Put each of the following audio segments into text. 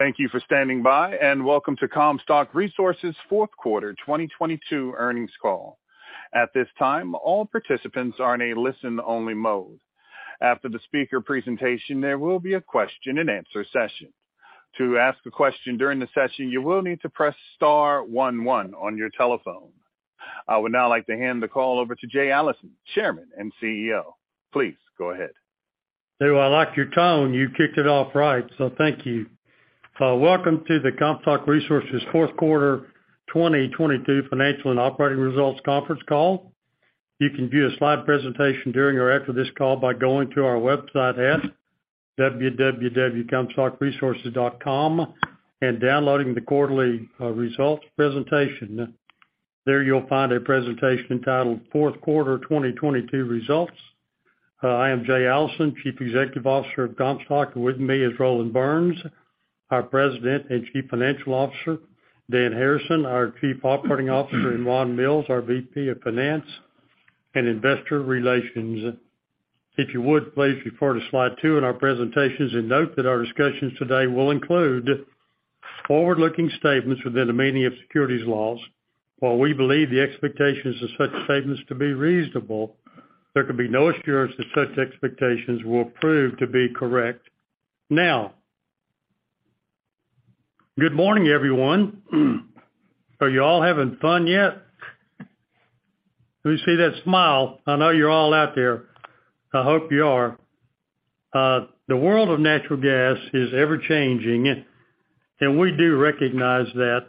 Thank you for standing by and welcome to Comstock Resources' 4th quarter 2022 earnings call. At this time, all participants are in a listen only mode. After the speaker presentation, there will be a question and answer session. To ask a question during the session, you will need to press star one one on your telephone. I would now like to hand the call over to Jay Allison, Chairman and CEO. Please go ahead. I like your tone. You kicked it off right. Thank you. Welcome to the Comstock Resources 4th quarter 2022 financial and operating results conference call. You can view a slide presentation during or after this call by going to our website at www.comstockresources.com and downloading the quarterly results presentation. There you'll find a presentation entitled Fourth Quarter 2022 Results. I am Jay Allison, Chief Executive Officer of Comstock. With me is Roland Burns, our President and Chief Financial Officer, Dan Harrison, our Chief Operating Officer, and Ron Mills, our VP of Finance and Investor Relations. If you would, please refer to slide 2 in our presentations and note that our discussions today will include forward-looking statements within the meaning of securities laws. While we believe the expectations of such statements to be reasonable, there can be no assurance that such expectations will prove to be correct. Now, good morning, everyone. Are you all having fun yet? Let me see that smi. I know you're all out there. I hope you are. The world of natural gas is ever-changing, and we do recognize that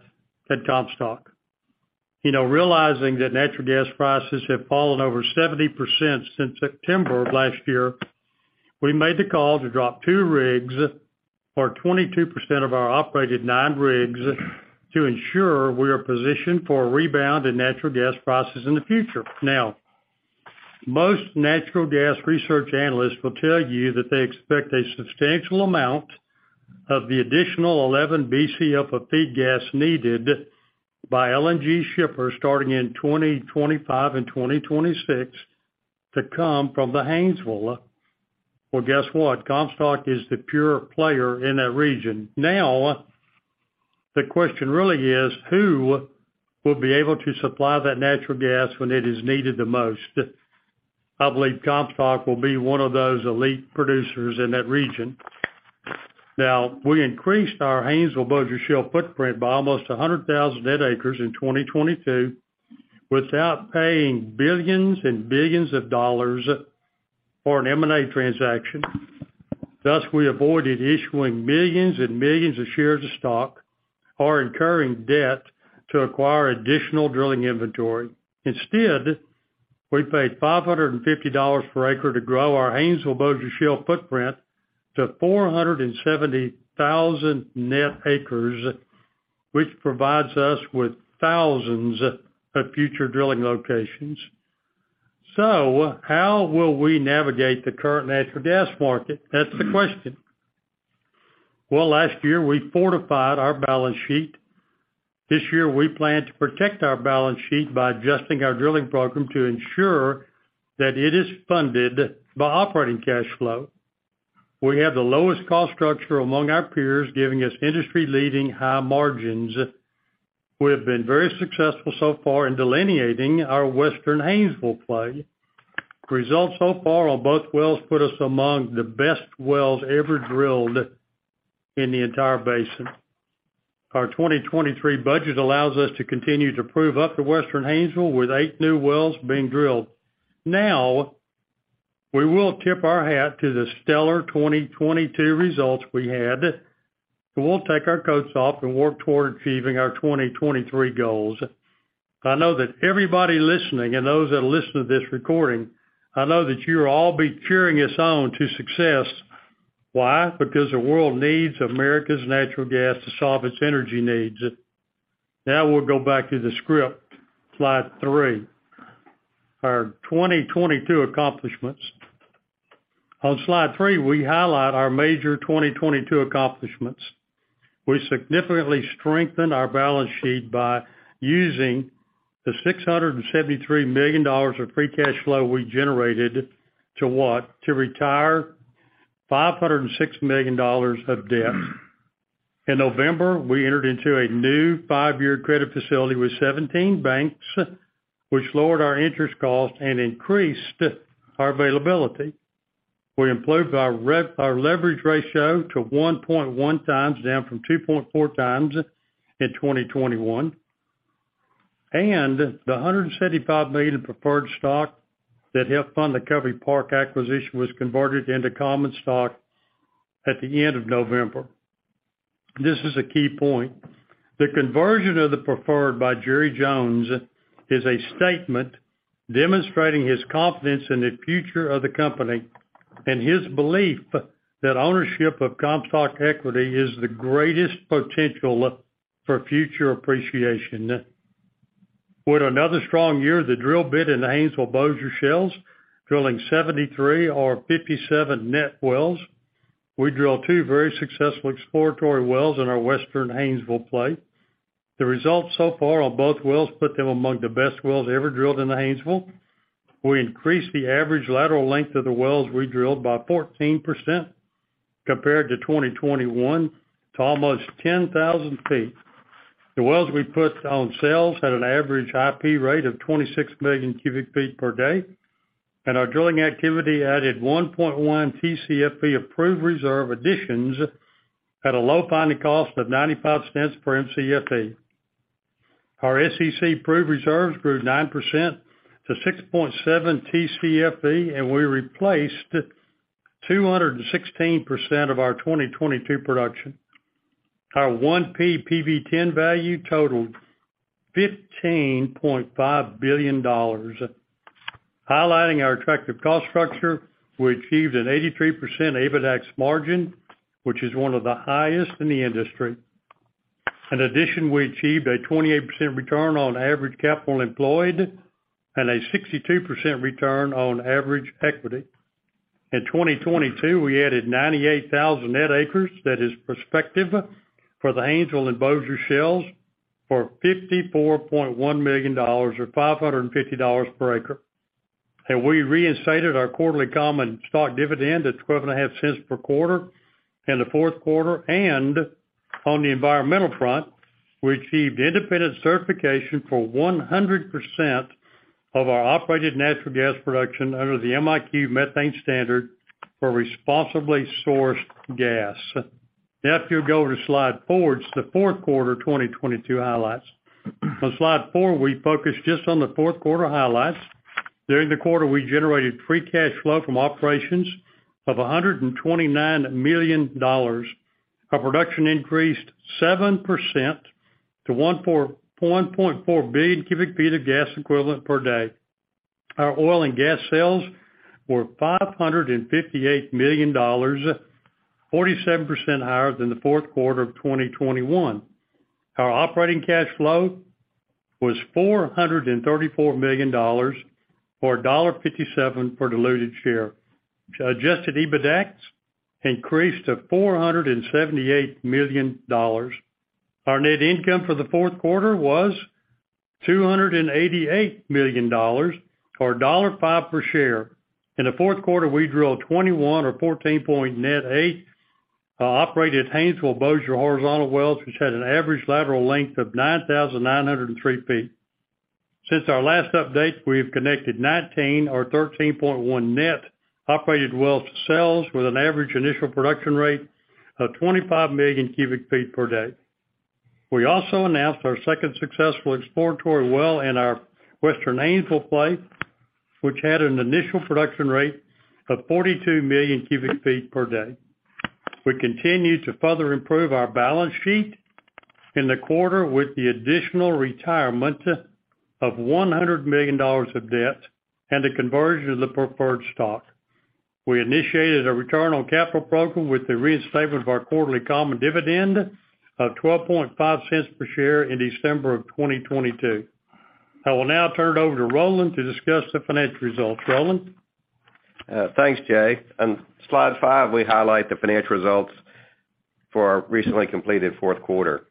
at Comstock. You know, realizing that natural gas prices have fallen over 70% since September of last year, we made the call to drop two rigs or 22% of our operated nine rigs to ensure we are positioned for a rebound in natural gas prices in the future. Now, most natural gas research analysts will tell you that they expect a substantial amount of the additional 11 BCF of feed gas needed by LNG shippers starting in 2025 and 2026 to come from the Haynesville. Well, guess what? Comstock is the pure player in that region. Now, the question really is who will be able to supply that natural gas when it is needed the most? I believe Comstock will be one of those elite producers in that region. Now, we increased our Haynesville Bossier shale footprint by almost 100,000 net acres in 2022 without paying $billions and $billions for an M&A transaction. Thus, we avoided issuing millions and millions of shares of stock or incurring debt to acquire additional drilling inventory. We paid $550 per acre to grow our Haynesville Bossier shale footprint to 470,000 net acres, which provides us with thousands of future drilling locations. How will we navigate the current natural gas market? That's the question. Well, last year we fortified our balance sheet. This year, we plan to protect our balance sheet by adjusting our drilling program to ensure that it is funded by operating cash flow. We have the lowest cost structure among our peers, giving us industry-leading high margins. We have been very successful so far in delineating our Western Haynesville play. Results so far on both wells put us among the best wells ever drilled in the entire basin. Our 2023 budget allows us to continue to prove up the Western Haynesville with 8 new wells being drilled. We will tip our hat to the stellar 2022 results we had, but we'll take our coats off and work toward achieving our 2023 goals. I know that everybody listening and those that listen to this recording, I know that you'll all be cheering us on to success. Why? Because the world needs America's natural gas to solve its energy needs. We'll go back to the script. Slide 3. Our 2022 accomplishments. On slide 3, we highlight our major 2022 accomplishments. We significantly strengthened our balance sheet by using the $673 million of free cash flow we generated to what? To retire $506 million of debt. In November, we entered into a new 5-year credit facility with 17 banks, which lowered our interest cost and increased our availability. We improved our leverage ratio to 1.1 times, down from 2.4 times in 2021. The $175 million preferred stock that helped fund the Covey Park acquisition was converted into common stock at the end of November. This is a key point. The conversion of the preferred by Jerry Jones is a statement demonstrating his confidence in the future of the company and his belief that ownership of Comstock equity is the greatest potential for future appreciation. With another strong year of the drill bit in the Haynesville Bossier shales, drilling 73 or 57 net wells, we drilled 2 very successful exploratory wells in our Western Haynesville play. The results so far on both wells put them among the best wells ever drilled in the Haynesville. We increased the average lateral length of the wells we drilled by 14% compared to 2021 to almost 10,000 ft. The wells we put on sales had an average IP rate of 26 million cu ft per day, and our drilling activity added 1.1 TCFE approved reserve additions at a low finding cost of $0.95 per MCFE. Our SEC proved reserves grew 9% to 6.7 TCFE, and we replaced 216% of our 2022 production. Our 1P PV-10 value totaled $15.5 billion. Highlighting our attractive cost structure, we achieved an 83% EBITDAX margin, which is one of the highest in the industry. In addition, we achieved a 28% return on average capital employed and a 62% return on average equity. In 2022, we added 98,000 net acres that is prospective for the Haynesville and Bossier shells for $54.1 million or $550 per acre. We reinstated our quarterly common stock dividend at $0.125 per quarter in the 4th quarter. On the environmental front, we achieved independent certification for 100% of our operated natural gas production under the MiQ Methane Standard for responsibly sourced gas. Now if you'll go to slide four, it's the 4th quarter 2022 highlights. On slide four, we focus just on the 4th quarter highlights. During the quarter, we generated free cash flow from operations of $129 million. Our production increased 7% to 1.4 billion cu ft of gas equivalent per day. Our oil and gas sales were $558 million, 47% higher than the 4th quarter of 2021. Our operating cash flow was $434 million or $1.57 per diluted share. Adjusted EBITDAX increased to $478 million. Our net income for the 4th quarter was $288 million or $1.05 per share. In the 4th quarter, we drilled 21 or 14.8 net operated Haynesville Bossier horizontal wells, which had an average lateral length of 9,903 ft. Since our last update, we've connected 19 or 13.1 net operated wells to sales with an average initial production rate of 25 million cu ft per day. We also announced our second successful exploratory well in our Western Haynesville play, which had an initial production rate of 42 million cu ft per day. We continued to further improve our balance sheet in the quarter with the additional retirement of $100 million of debt and the conversion of the preferred stock. We initiated a return on capital program with the reinstatement of our quarterly common dividend of $0.125 per share in December of 2022. I will now turn it over to Roland to discuss the financial results. Roland? Thanks, Jay. On slide 5, we highlight the financial results for our recently completed 4th quarter.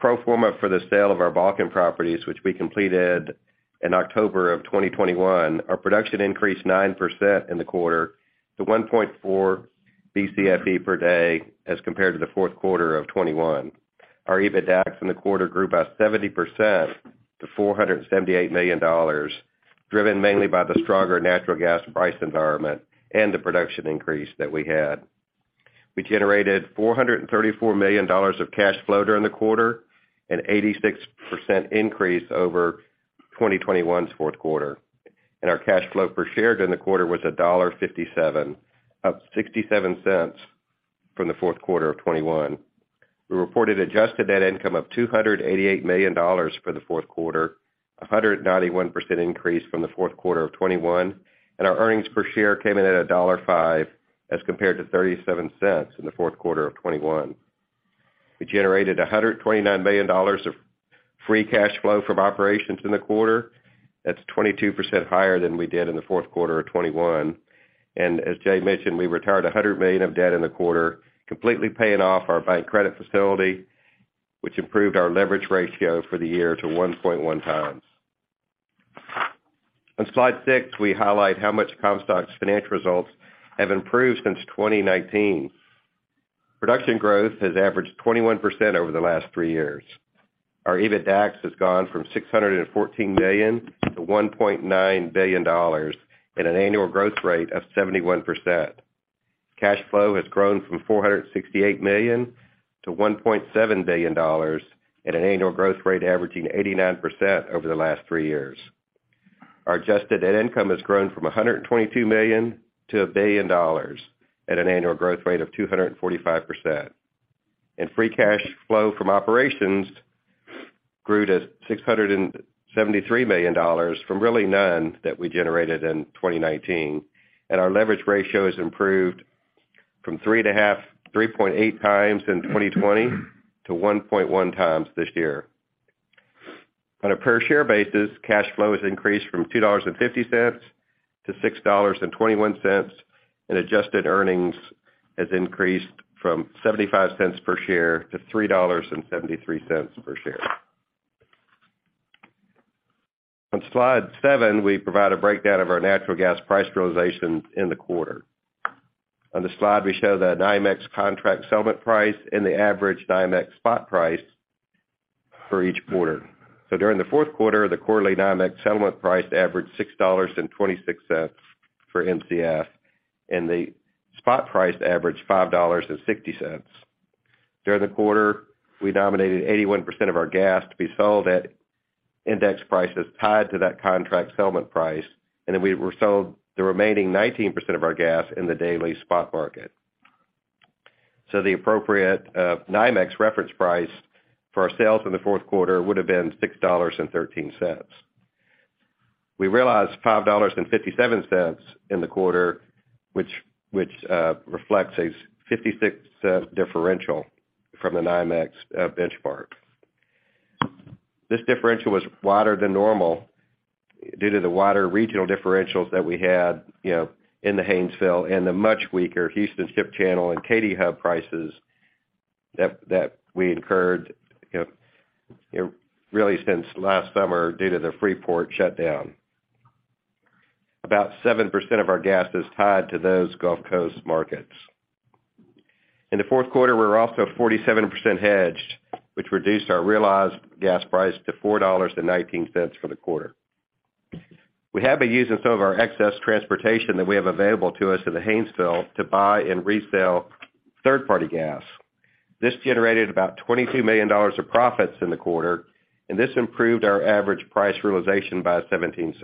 Pro forma for the sale of our Bakken properties, which we completed in October of 2021, our production increased 9% in the quarter to 1.4 BCFE per day as compared to the 4th quarter of 2021. Our EBITDAX in the quarter grew by 70% to $478 million, driven mainly by the stronger natural gas price environment and the production increase that we had. We generated $434 million of cash flow during the quarter, an 86% increase over 2021's 4th quarter. Our cash flow per share during the quarter was $1.57, up $0.67 from the 4th quarter of 2021. We reported adjusted net income of $288 million for the 4th quarter, a 191% increase from the 4th quarter of 2021, and our earnings per share came in at $1.05 as compared to $0.37 in the 4th quarter of 2021. We generated $129 million of free cash flow from operations in the quarter. That's 22% higher than we did in the 4th quarter of 2021. As Jay mentioned, we retired $100 million of debt in the quarter, completely paying off our bank credit facility, which improved our leverage ratio for the year to 1.1 times. On Slide 6, we highlight how much Comstock's financial results have improved since 2019. Production growth has averaged 21% over the last three years. Our EBITDAX has gone from $614 million to $1.9 billion at an annual growth rate of 71%. Cash flow has grown from $468 million to $1.7 billion at an annual growth rate averaging 89% over the last three years. Our adjusted net income has grown from $122 million to $1 billion at an annual growth rate of 245%. Free cash flow from operations grew to $673 million from really none that we generated in 2019. Our leverage ratio has improved from 3 to half, 3.8 times in 2020 to 1.1 times this year. On a per share basis, cash flow has increased from $2.50 to $6.21, and adjusted earnings has increased from $0.75 per share to $3.73 per share. On Slide 7, we provide a breakdown of our natural gas price realizations in the quarter. On the slide, we show the NYMEX contract settlement price and the average NYMEX spot price for each quarter. During the 4th quarter quarter, the quarterly NYMEX settlement price averaged $6.26 for Mcf, and the spot price averaged $5.60. During the quarter, we nominated 81% of our gas to be sold at index prices tied to that contract settlement price, and then we sold the remaining 19% of our gas in the daily spot market. The appropriate NYMEX reference price for sales in the 4th quarter would have been $6.13. We realized $5.57 in the quarter, which reflects a $0.56 differential from the NYMEX benchmark. This differential was wider than normal due to the wider regional differentials that we had, you know, in the Haynesville and the much weaker Houston Ship Channel and Katy Hub prices that we incurred, you know, really since last summer due to the Freeport shutdown. About 7% of our gas is tied to those Gulf Coast markets. In the 4th quarter, we were also 47% hedged, which reduced our realized gas price to $4.19 for the quarter. We have been using some of our excess transportation that we have available to us in the Haynesville to buy and resell third-party gas. This generated about $22 million of profits in the quarter. This improved our average price realization by $0.17,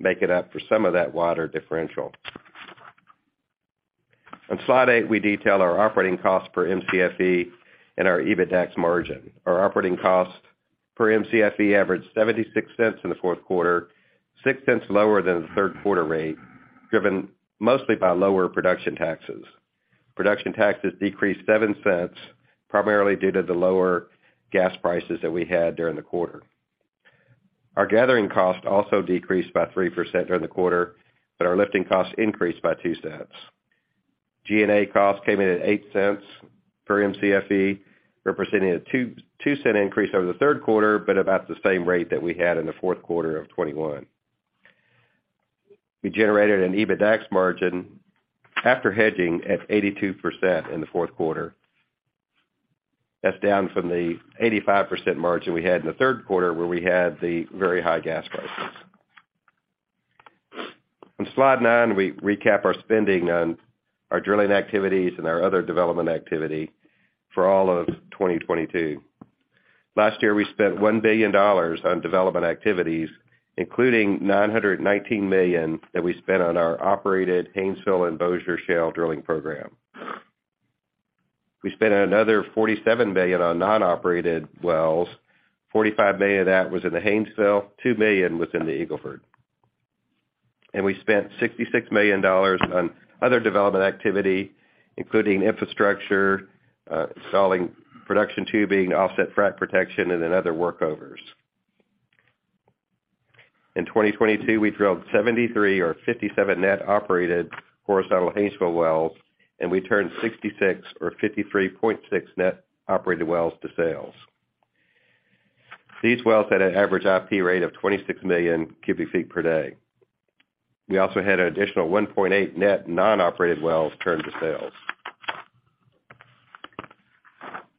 making up for some of that wider differential. On slide 8, we detail our operating costs per MCFE and our EBITDAX margin. Our operating cost per MCFE averaged $0.76 in the 4th quarter, $0.06 lower than the 3rd quarter rate, driven mostly by lower production taxes. Production taxes decreased $0.07, primarily due to the lower gas prices that we had during the quarter. Our gathering cost also decreased by 3% during the quarter, but our lifting costs increased by $0.02. G&A costs came in at $0.08 per MCFE, representing a $0.02 increase over the 3rd quarter, but about the same rate that we had in the 4th quarter of 2021. We generated an EBITDAX margin after hedging at 82% in the 4th quarter. That's down from the 85% margin we had in the 3rd quarter, where we had the very high gas prices. On slide 9, we recap our spending on our drilling activities and our other development activity for all of 2022. Last year, we spent $1 billion on development activities, including $919 million that we spent on our operated Haynesville and Bossier Shale drilling program. We spent another $47 million on non-operated wells. $45 million of that was in the Haynesville, $2 million was in the Eagle Ford. We spent $66 million on other development activity, including infrastructure, installing production tubing, offset frac protection and then other workovers. In 2022, we drilled 73 or 57 net operated horizontal Haynesville wells, and we turned 66 or 53.6 net operated wells to sales. These wells had an average IP rate of 26 million cu ft per day. We also had an additional 1.8 net non-operated wells turned to sales.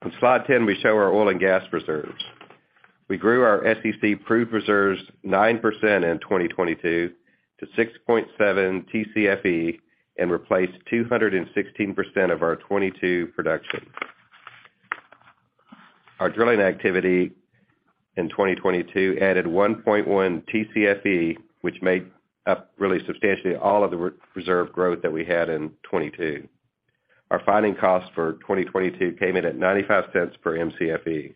On slide 10, we show our oil and gas reserves. We grew our SEC proved reserves 9% in 2022 to 6.7 Tcfe and replaced 216% of our 2022 production. Our drilling activity in 2022 added 1.1 TCFE, which made up really substantially all of the re-reserve growth that we had in 2022. Our finding cost for 2022 came in at $0.95 per MCFE.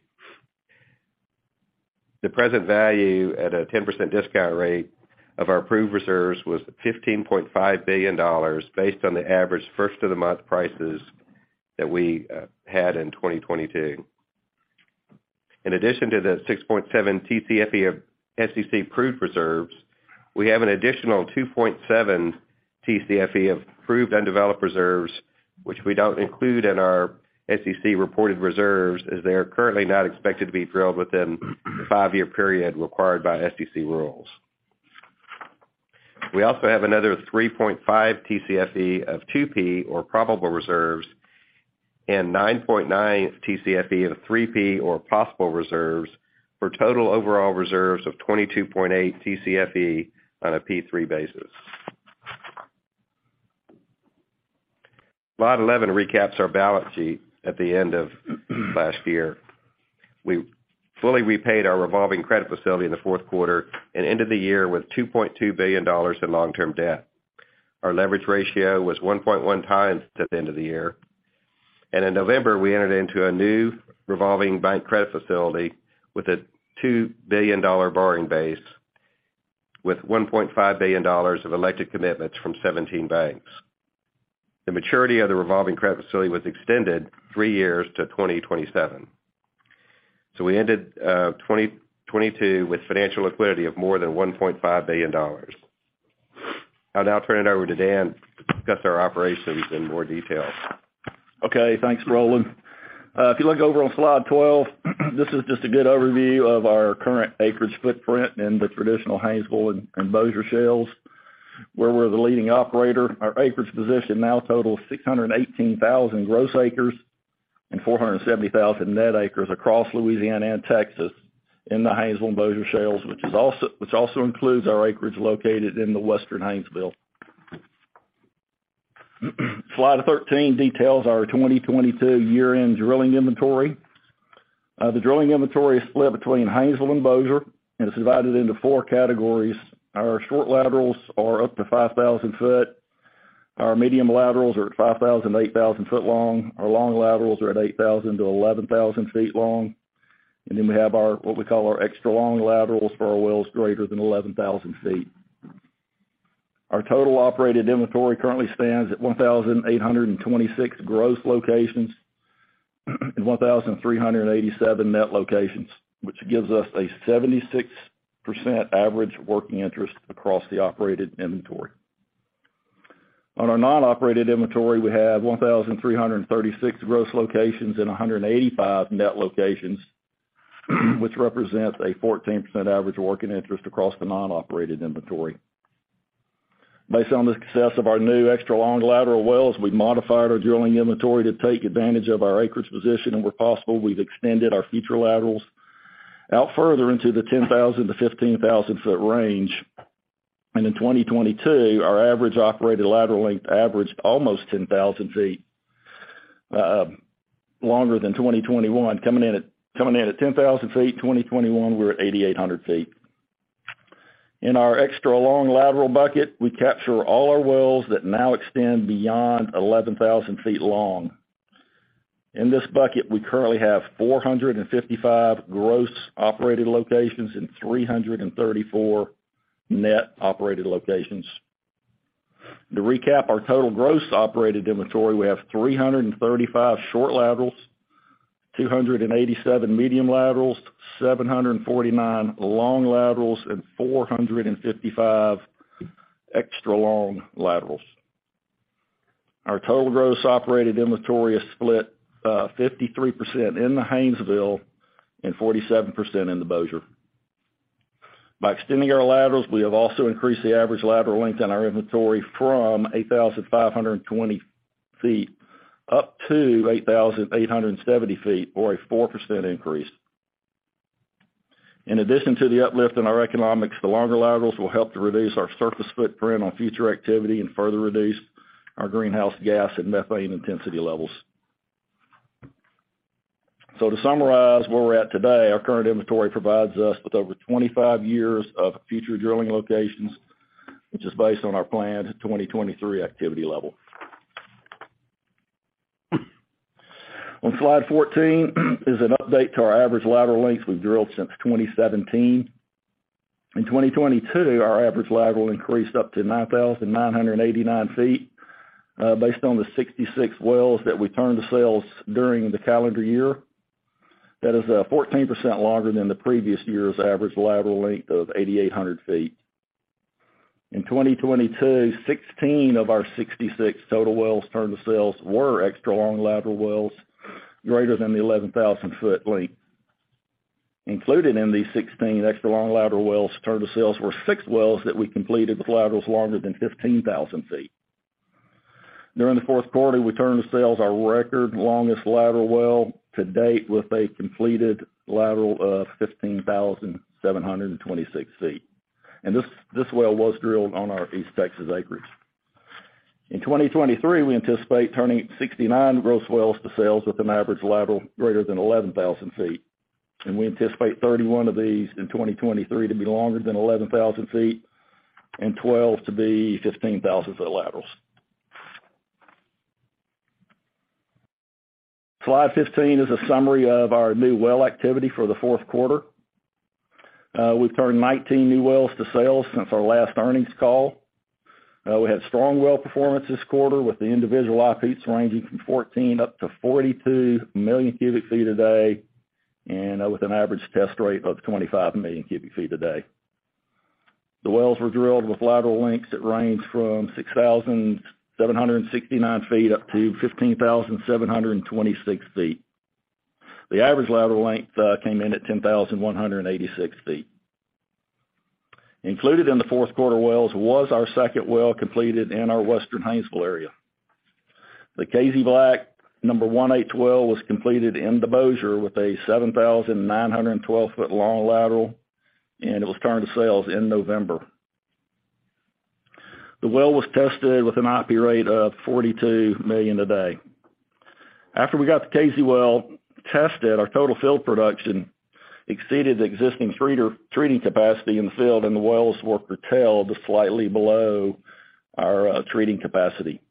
The present value at a 10% discount rate of our approved reserves was $15.5 billion, based on the average first of the month prices that we had in 2022. In addition to the 6.7 TCFE of SEC proved reserves, we have an additional 2.7 TCFE of proved undeveloped reserves, which we don't include in our SEC reported reserves as they are currently not expected to be drilled within the five-year period required by SEC rules. We also have another 3.5 Tcfe of 2P or probable reserves and 9.9 Tcfe of 3P or possible reserves for total overall reserves of 22.8 Tcfe on a P3 basis. Slide 11 recaps our balance sheet at the end of last year. We fully repaid our revolving credit facility in the 4th quarter and ended the year with $2.2 billion in long-term debt. Our leverage ratio was 1.1 times at the end of the year. In November, we entered into a new revolving bank credit facility with a $2 billion borrowing base. With $1.5 billion of elected commitments from 17 banks. The maturity of the revolving credit facility was extended 3 years to 2027. We ended 2022 with financial liquidity of more than $1.5 billion. I'll now turn it over to Dan to discuss our operations in more detail. Okay, thanks, Roland. If you look over on slide 12, this is just a good overview of our current acreage footprint in the traditional Haynesville and Bossier Shales, where we're the leading operator. Our acreage position now totals 618,000 gross acres and 470,000 net acres across Louisiana and Texas in the Haynesville and Bossier Shales, which also includes our acreage located in the Western Haynesville. Slide 13 details our 2022 year-end drilling inventory. The drilling inventory is split between Haynesville and Bossier, and it's divided into four categories. Our short laterals are up to 5,000 foot. Our medium laterals are at 5,000, 8,000 foot long. Our long laterals are at 8,000 to 11,000 ft long. We have our, what we call our extra long laterals for our wells greater than 11,000 ft. Our total operated inventory currently stands at 1,826 gross locations and 1,387 net locations, which gives us a 76% average working interest across the operated inventory. On our non-operated inventory, we have 1,336 gross locations and 185 net locations, which represents a 14% average working interest across the non-operated inventory. Based on the success of our new extra long lateral wells, we've modified our drilling inventory to take advantage of our acreage position, and where possible, we've extended our future laterals out further into the 10,000-15 foot range. In 2022, our average operated lateral length averaged almost 10,000 ft, longer than 2021 coming in at 10,000 ft. 2021, we were at 8,800 ft. In our extra long lateral bucket, we capture all our wells that now extend beyond 11,000 ft long. In this bucket, we currently have 455 gross operated locations and 334 net operated locations. To recap our total gross operated inventory, we have 335 short laterals, 287 medium laterals, 749 long laterals, and 455 extra long laterals. Our total gross operated inventory is split 53% in the Haynesville and 47% in the Bossier. By extending our laterals, we have also increased the average lateral length in our inventory from 8,520 ft up to 8,870 ft, or a 4% increase. In addition to the uplift in our economics, the longer laterals will help to reduce our surface footprint on future activity and further reduce our greenhouse gas and methane intensity levels. To summarize where we're at today, our current inventory provides us with over 25 years of future drilling locations, which is based on our planned 2023 activity level. On slide 14 is an update to our average lateral length we've drilled since 2017. In 2022, our average lateral increased up to 9,989 ft, based on the 66 wells that we turned to sales during the calendar year. That is 14% longer than the previous year's average lateral length of 8,800 ft. In 2022, 16 of our 66 total wells turned to sales were extra long lateral wells greater than the 11-foot length. Included in these 16 extra long lateral wells turned to sales were 6 wells that we completed with laterals longer than 15,000 ft. During the 4th quarter, we turned to sales our record longest lateral well to date with a completed lateral of 15,726 ft. This well was drilled on our East Texas acreage. In 2023, we anticipate turning 69 gross wells to sales with an average lateral greater than 11,000 ft. We anticipate 31 of these in 2023 to be longer than 11,000 ft and 12 to be 15,000-foot laterals. Slide 15 is a summary of our new well activity for the 4th quarter. We've turned 19 new wells to sales since our last earnings call. We had strong well performance this quarter with the individual IPPs ranging from 14 up to 42 million cu ft a day and with an average test rate of 25 million cu ft a day. The wells were drilled with lateral lengths that range from 6,769 ft up to 15,726 ft. The average lateral length came in at 10,186 ft. Included in the 4th quarter wells was our second well completed in our Western Haynesville area. The Cazey Black number 18 well was completed in the Bossier with a 7,912 foot long lateral. It was turned to sales in November. The well was tested with an IP rate of 42 million a day. After we got the Cazey well tested, our total field production exceeded the existing treating capacity in the field. The wells were curtailed to slightly below our treating capacity.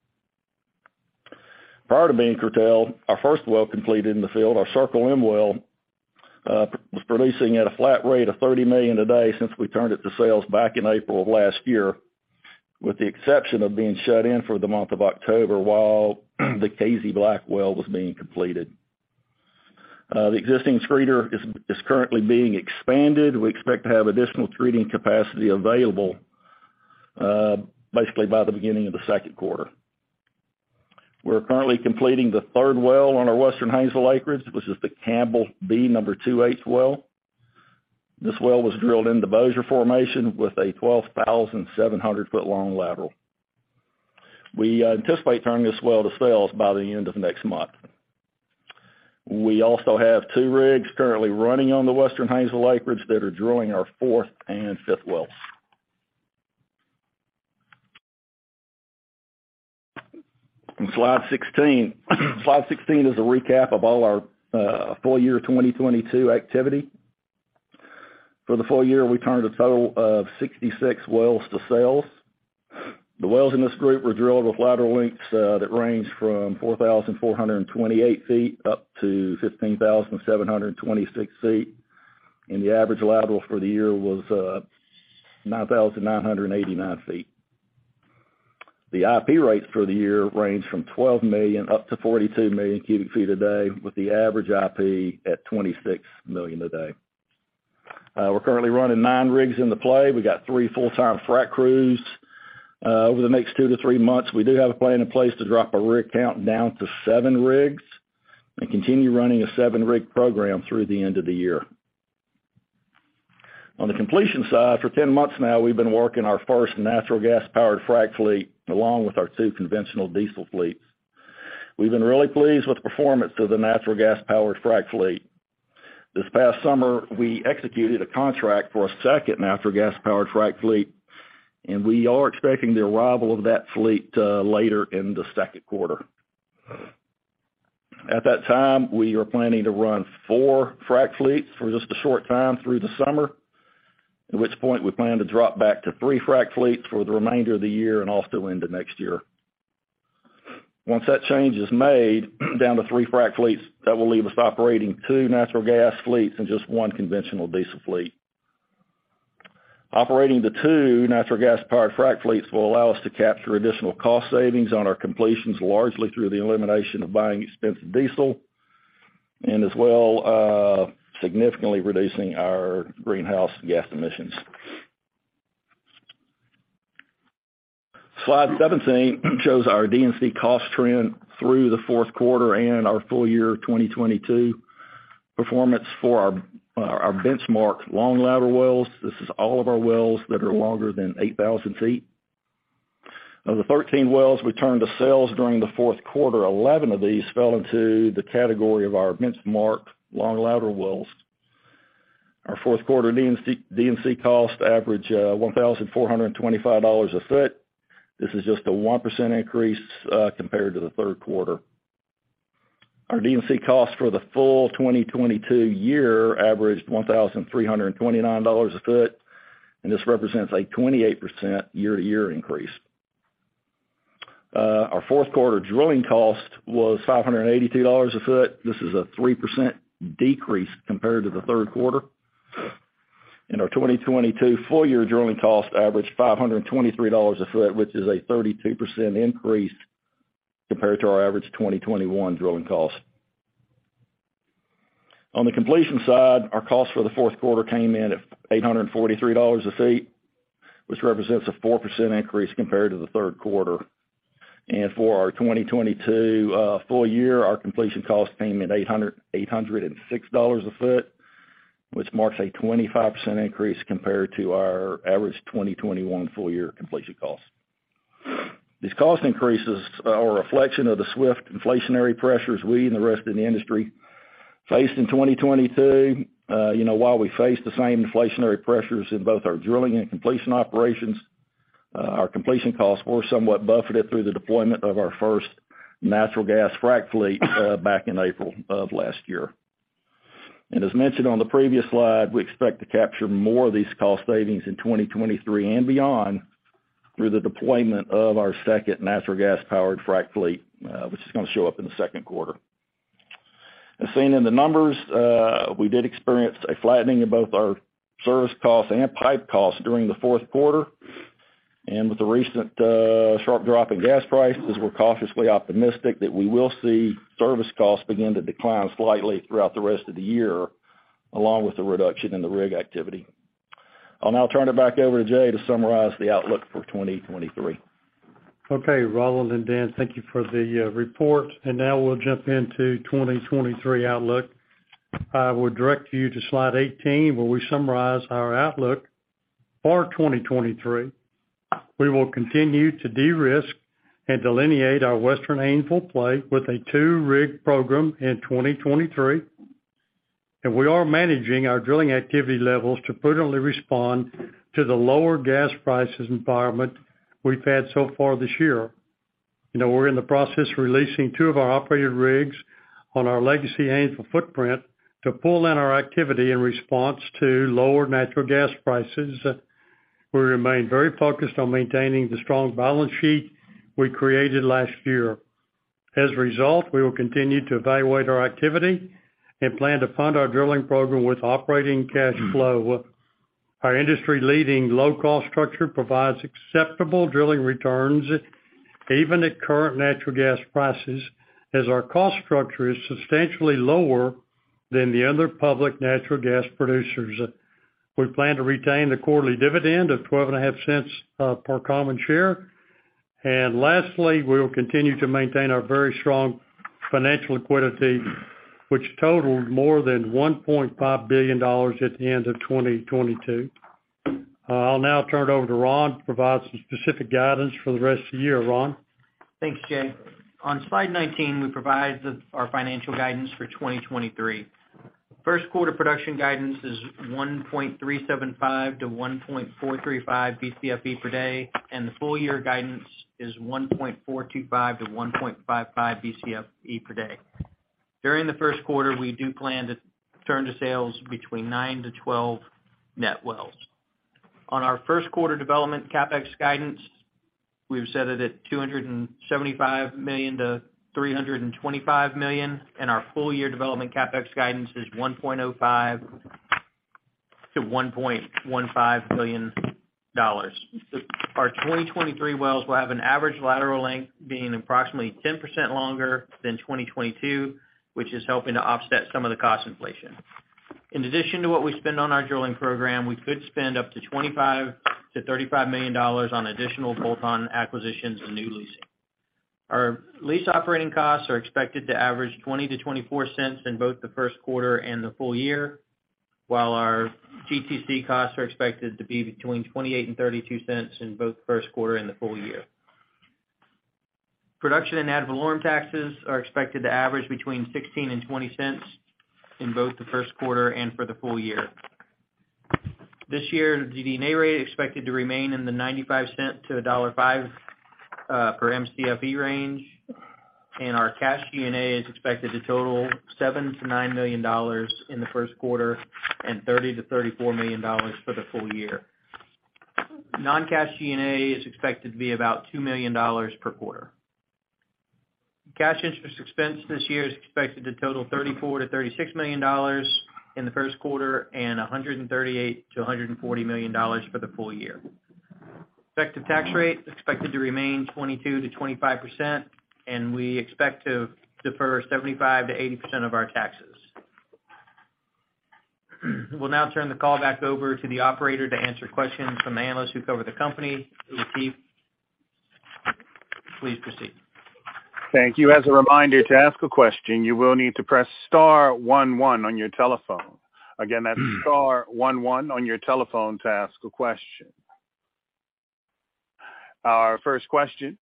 Prior to being curtailed, our first well completed in the field, our Circle M well, was producing at a flat rate of 30 million a day since we turned it to sales back in April of last year, with the exception of being shut in for the month of October while the Cazey Black well was being completed. The existing treater is currently being expanded. We expect to have additional treating capacity available, basically by the beginning of the 2nd quarter. We're currently completing the third well on our Western Haynesville acreage. This is the Campbell B No. 2H well. This well was drilled into Bossier formation with a 12,700 foot long lateral. We anticipate turning this well to sales by the end of next month. We also have two rigs currently running on the Western Haynesville acreage that are drilling our fourth and fifth wells. On Slide 16. Slide 16 is a recap of all our full year 2022 activity. For the full year, we turned a total of 66 wells to sales. The wells in this group were drilled with lateral lengths that range from 4,428 ft up to 15,726 ft, and the average lateral for the year was 9,989 ft. The IP rates for the year range from 12 million up to 42 million cu ft a day, with the average IP at 26 million a day. We're currently running 9 rigs in the play. We got 3 full-time frac crews. Over the next 2-3 months, we do have a plan in place to drop our rig count down to 7 rigs and continue running a 7-rig program through the end of the year. On the completion side, for 10 months now, we've been working our first natural gas-powered frac fleet along with our 2 conventional diesel fleets. We've been really pleased with performance of the natural gas-powered frac fleet. This past summer, we executed a contract for a second natural gas-powered frac fleet, and we are expecting the arrival of that fleet later in the 2nd quarter. At that time, we are planning to run four frac fleets for just a short time through the summer, at which point we plan to drop back to three frac fleets for the remainder of the year and also into next year. Once that change is made down to three frac fleets, that will leave us operating two natural gas fleets and just one conventional diesel fleet. Operating the two natural gas powered frac fleets will allow us to capture additional cost savings on our completions, largely through the elimination of buying expensive diesel and as well, significantly reducing our greenhouse gas emissions. Slide 17 shows our D&C cost trend through the 4th quarter and our full year 2022 performance for our benchmark long lateral wells. This is all of our wells that are longer than 8,000 ft. Of the 13 wells we turned to sales during the 4th quarter, 11 of these fell into the category of our benchmarked long lateral wells. Our 4th quarter D&C cost average $1,425 a foot. This is just a 1% increase compared to the 3rd quarter. Our D&C cost for the full 2022 year averaged $1,329 a foot, and this represents a 28% year-to-year increase. Our 4th quarter drilling cost was $582 a foot. This is a 3% decrease compared to the 3rd quarter. Our 2022 full year drilling cost averaged $523 a foot, which is a 32% increase compared to our average 2021 drilling cost. On the completion side, our cost for the 4th quarter came in at $843 a foot, which represents a 4% increase compared to the 3rd quarter. For our 2022 full year, our completion cost came at $806 a foot, which marks a 25% increase compared to our average 2021 full year completion cost. These cost increases are a reflection of the swift inflationary pressures we and the rest of the industry faced in 2022. you know, while we faced the same inflationary pressures in both our drilling and completion operations, our completion costs were somewhat buffered through the deployment of our first natural gas frac fleet, back in April of last year. As mentioned on the previous slide, we expect to capture more of these cost savings in 2023 and beyond through the deployment of our second natural gas powered frac fleet, which is gonna show up in the 2nd quarter. As seen in the numbers, we did experience a flattening in both our service costs and pipe costs during the 4th quarter. With the recent, sharp drop in gas prices, we're cautiously optimistic that we will see service costs begin to decline slightly throughout the rest of the year, along with the reduction in the rig activity. I'll now turn it back over to Jay to summarize the outlook for 2023. Okay, Roland and Dan, thank you for the report. Now we'll jump into 2023 outlook. I will direct you to slide 18, where we summarize our outlook for 2023. We will continue to de-risk and delineate our Western Haynesville play with a 2-rig program in 2023. We are managing our drilling activity levels to prudently respond to the lower gas prices environment we've had so far this year. You know, we're in the process of releasing 2 of our operated rigs on our legacy Haynesville footprint to pull in our activity in response to lower natural gas prices. We remain very focused on maintaining the strong balance sheet we created last year. We will continue to evaluate our activity and plan to fund our drilling program with operating cash flow. Our industry leading low cost structure provides acceptable drilling returns even at current natural gas prices, as our cost structure is substantially lower than the other public natural gas producers. We plan to retain the quarterly dividend of twelve and a half cents per common share. Lastly, we will continue to maintain our very strong financial liquidity, which totaled more than $1.5 billion at the end of 2022. I'll now turn it over to Ron to provide some specific guidance for the rest of the year. Ron? Thanks, Jay. On slide 19, we provide our financial guidance for 2023. First quarter production guidance is 1.375-1.435 Bcfe per day, and the full year guidance is 1.425-1.55 Bcfe per day. During the 1st quarter, we do plan to turn to sales between 9-12 net wells. On our 1st quarter development CapEx guidance, we've set it at $275 million-$325 million, and our full year development CapEx guidance is $1.05 billion-$1.15 billion. Our 2023 wells will have an average lateral length being approximately 10% longer than 2022, which is helping to offset some of the cost inflation. In addition to what we spend on our drilling program, we could spend up to $25 million-$35 million on additional bolt-on acquisitions and new leasing. Our lease operating costs are expected to average $0.20-$0.24 in both the 1st quarter and the full year, while our GTC costs are expected to be between $0.28 and $0.32 in both the 1st quarter and the full year. Production and ad valorem taxes are expected to average between $0.16 and $0.20 in both the 1st quarter and for the full year. This year, the D&A rate is expected to remain in the $0.95 to $1.05 per MCFE range, and our cash G&A is expected to total $7 million-$9 million in the 1st quarter and $30 million-$34 million for the full year. Non-cash G&A is expected to be about $2 million per quarter. Cash interest expense this year is expected to total $34 million-$36 million in the 1st quarter and $138 million-$140 million for the full year. Effective tax rate expected to remain 22%-25%. We expect to defer 75%-80% of our taxes. We'll now turn the call back over to the operator to answer questions from the analysts who cover the company. Leo Mariani, please proceed. Thank you. As a reminder, to ask a question, you will need to press star 11 on your telephone. Again, that's star 11 on your telephone to ask a question. Our first question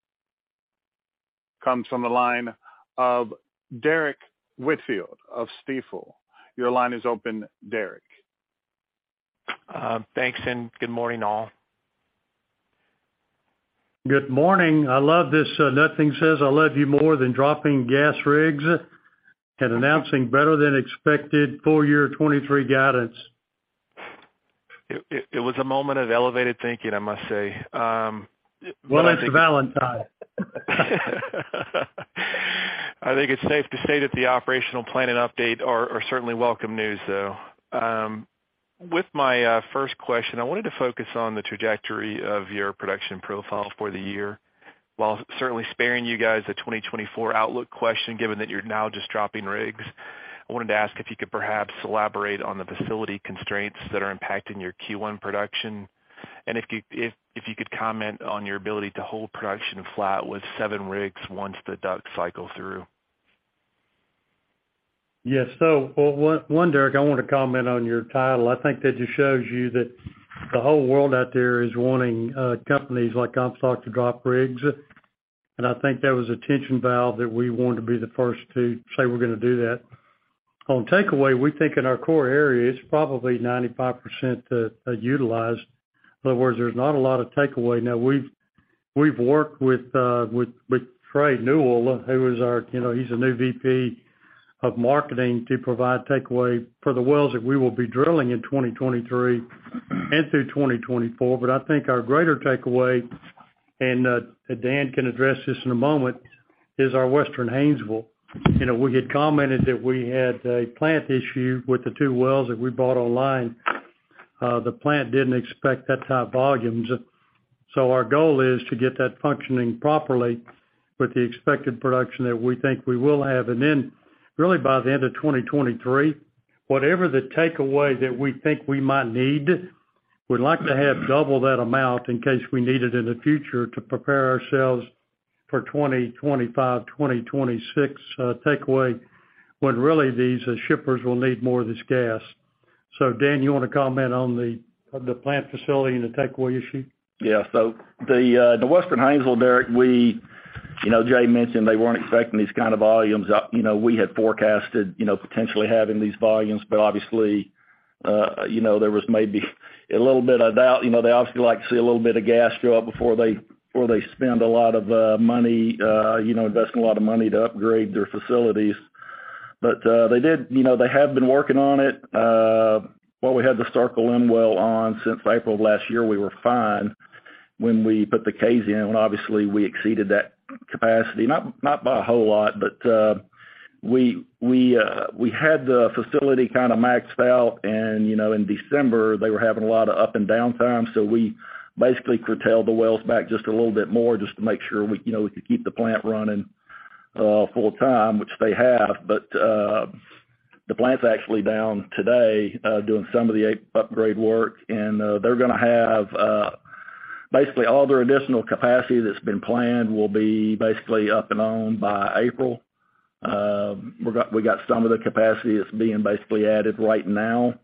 comes from the line of Derrick Whitfield of Stifel. Your line is open, Derek. Thanks and good morning, all. Good morning. I love this. Nothing says I love you more than dropping gas rigs and announcing better than expected full year 2023 guidance. It was a moment of elevated thinking, I must say. Well, it's Valentine. I think it's safe to say that the operational planning update are certainly welcome news, though. With my first question, I wanted to focus on the trajectory of your production profile for the year. While certainly sparing you guys a 2024 outlook question, given that you're now just dropping rigs, I wanted to ask if you could perhaps elaborate on the facility constraints that are impacting your Q1 production, and if you could comment on your ability to hold production flat with seven rigs once the DUC cycle through. Yes. One, Derrick, I want to comment on your title. I think that just shows you that the whole world out there is wanting companies like Comstock to drop rigs, and I think that was a tension valve that we wanted to be the first to say we're gonna do that. On takeaway, we think in our core areas, probably 95% are utilized. In other words, there's not a lot of takeaway. We've worked with Trey Newell, who is our, you know, he's the new VP of marketing to provide takeaway for the wells that we will be drilling in 2023 and through 2024. I think our greater takeaway, and Dan can address this in a moment, is our Western Haynesville. You know, we had commented that we had a plant issue with the two wells that we bought online. The plant didn't expect that type of volumes, so our goal is to get that functioning properly with the expected production that we think we will have. Really by the end of 2023, whatever the takeaway that we think we might need, we'd like to have double that amount in case we need it in the future to prepare ourselves for 2025, 2026, takeaway, when really these shippers will need more of this gas. Dan, you wanna comment on the plant facility and the takeaway issue? The Western Haynesville, Derrick, we, you know, Jay mentioned they weren't expecting these kind of volumes. You know, we had forecasted, you know, potentially having these volumes, but obviously, you know, there was maybe a little bit of doubt. You know, they obviously like to see a little bit of gas show up before they spend a lot of money, you know, investing a lot of money to upgrade their facilities. They did, you know, they have been working on it, while we had the Circle M well on since April of last year, we were fine. When we put the Cazeys in, obviously we exceeded that capacity, not by a whole lot, but we had the facility kinda maxed out and, you know, in December, they were having a lot of up and down time, so we basically curtailed the wells back just a little bit more just to make sure we, you know, we could keep the plant running full-time, which they have. The plant's actually down today doing some of the a-upgrade work, and they're gonna have basically all their additional capacity that's been planned will be basically up and on by April. We got some of the capacity that's being basically added right now.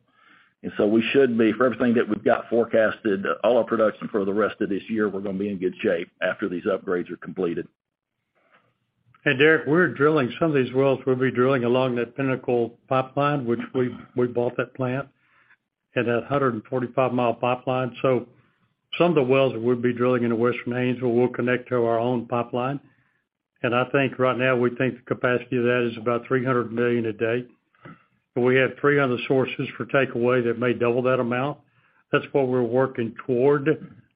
we should be, for everything that we've got forecasted, all our production for the rest of this year, we're gonna be in good shape after these upgrades are completed. Derrick, we're drilling some of these wells, we'll be drilling along that Pinnacle Pipeline, which we bought that plant and that 145 mi pipeline. Some of the wells that we'll be drilling into Western Haynesville will connect to our own pipeline. I think right now we think the capacity of that is about $300 million a day. We have three other sources for takeaway that may double that amount. That's what we're working toward.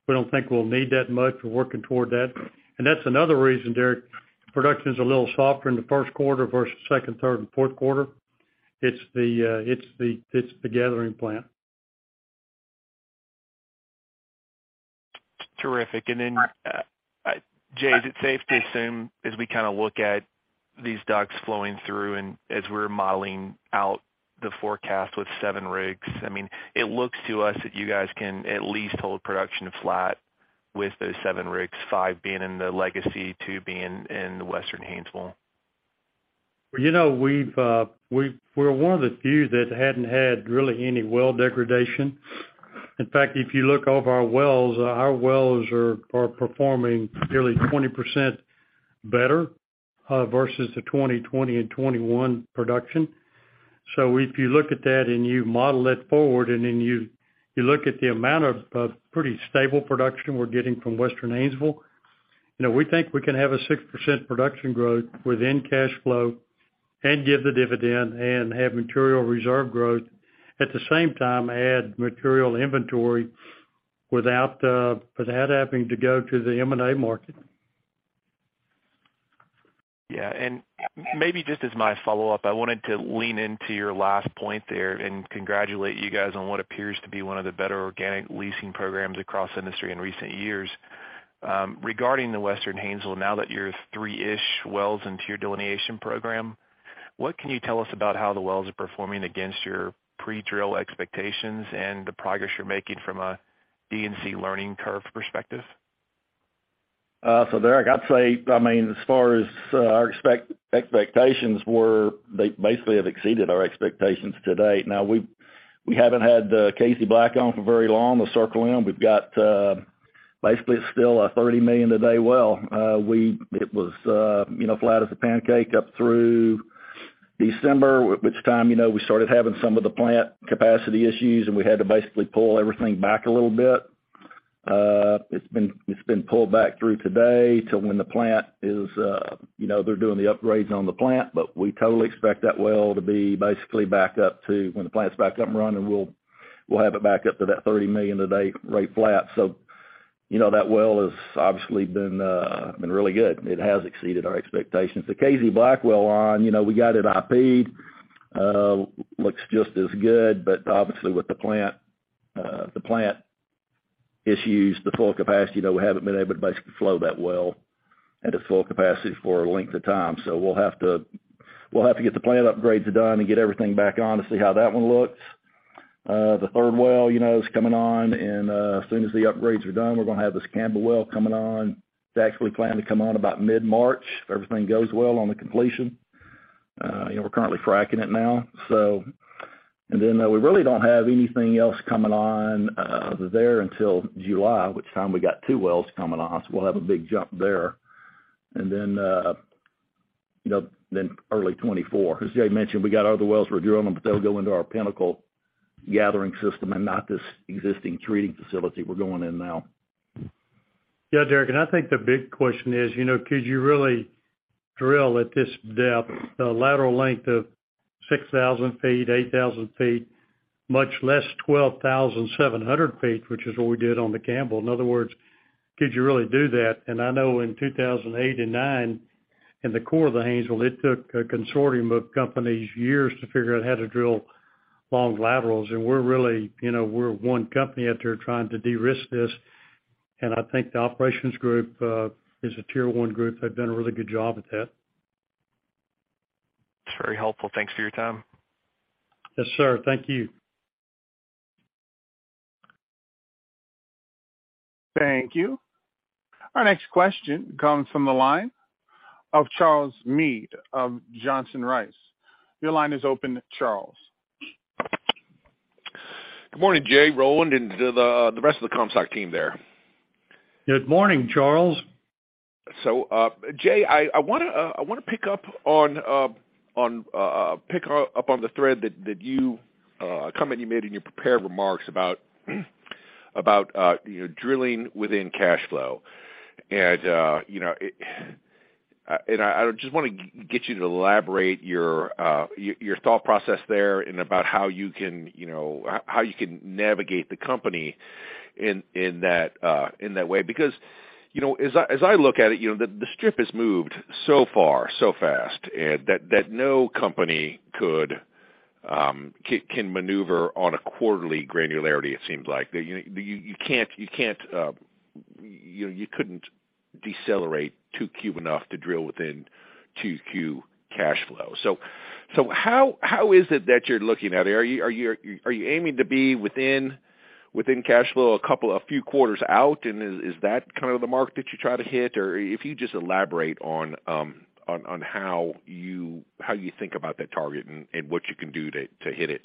We don't think we'll need that much. We're working toward that. That's another reason, Derrick, production is a little softer in the 1st quarter versus second, third, and 4th quarter. It's the gathering plant. Terrific. Jay, is it safe to assume as we kinda look at these docks flowing through and as we're modeling out the forecast with 7 rigs, I mean, it looks to us that you guys can at least hold production flat with those 7 rigs, 5 being in the Legacy, 2 being in the Western Haynesville. You know, we've, we're one of the few that hadn't had really any well degradation. In fact, if you look over our wells, our wells are performing nearly 20% better versus the 2020 and 2021 production. If you look at that and you model it forward, and then you look at the amount of pretty stable production we're getting from Western Haynesville, you know, we think we can have a 6% production growth within cash flow and give the dividend and have material reserve growth. At the same time, add material inventory without having to go to the M&A market. Yeah. Maybe just as my follow-up, I wanted to lean into your last point there and congratulate you guys on what appears to be one of the better organic leasing programs across industry in recent years. Regarding the Western Haynesville, now that you're 3-ish wells into your delineation program, what can you tell us about how the wells are performing against your pre-drill expectations and the progress you're making from a D&C learning curve perspective? Derek, I'd say, I mean, as far as our expectations were, they basically have exceeded our expectations to date. We haven't had Cazey Black on for very long, the Circle M. We've got, basically it's still a 30 million a day well. It was, you know, flat as a pancake up through December, which time, you know, we started having some of the plant capacity issues, we had to basically pull everything back a little bit. It's been pulled back through today to when the plant is, you know, they're doing the upgrades on the plant, we totally expect that well to be basically back up to when the plant's back up and running, we'll have it back up to that 30 million a day rate flat. You know, that well has obviously been really good. It has exceeded our expectations. The Cazey Black well on, you know, we got it IP'd, looks just as good, but obviously with the plant, the plant issues, the full capacity, though we haven't been able to basically flow that well at its full capacity for a length of time. We'll have to get the plant upgrades done and get everything back on to see how that one looks. The third well, you know, is coming on and, as soon as the upgrades are done, we're gonna have this Campbell Well coming on. It's actually planned to come on about mid-March, if everything goes well on the completion. You know, we're currently fracking it now. We really don't have anything else coming on there until July, which time we got 2 wells coming on, so we'll have a big jump there. You know, early 2024, because Jay mentioned we got other wells we're drilling, but they'll go into our Pinnacle gathering system and not this existing treating facility we're going in now. Yeah, Derrick, I think the big question is, you know, could you really drill at this depth a lateral length of 6,000 ft, 8,000 ft, much less 12,700 ft, which is what we did on the Campbell? In other words, could you really do that? I know in 2008 and 2009, in the core of the Haynesville, it took a consortium of companies years to figure out how to drill long laterals. We're really, you know, we're one company out there trying to de-risk this. I think the operations group is a tier one group. They've done a really good job with that. It's very helpful. Thanks for your time. Yes, sir. Thank you. Thank you. Our next question comes from the line of Charles Meade of Johnson Rice. Your line is open, Charles. Good morning, Jay Roland and the rest of the Comstock team there. Good morning, Charles. Jay, I wanna, I wanna pick up on, pick up on the thread that you, comment you made in your prepared remarks about, you know, drilling within cash flow. You know, I just want to get you to elaborate your thought process there and about how you can, you know, how you can navigate the company in that, in that way. Because, you know, as I, as I look at it, you know, the strip has moved so far, so fast, and that no company could, can maneuver on a quarterly granularity, it seems like. You know, you can't, you can't, you couldn't decelerate 2Q enough to drill within 2Q cash flow. So how is it that you're looking at it? Are you aiming to be within cash flow a few quarters out? Is that kind of the mark that you try to hit? If you just elaborate on how you think about that target and what you can do to hit it.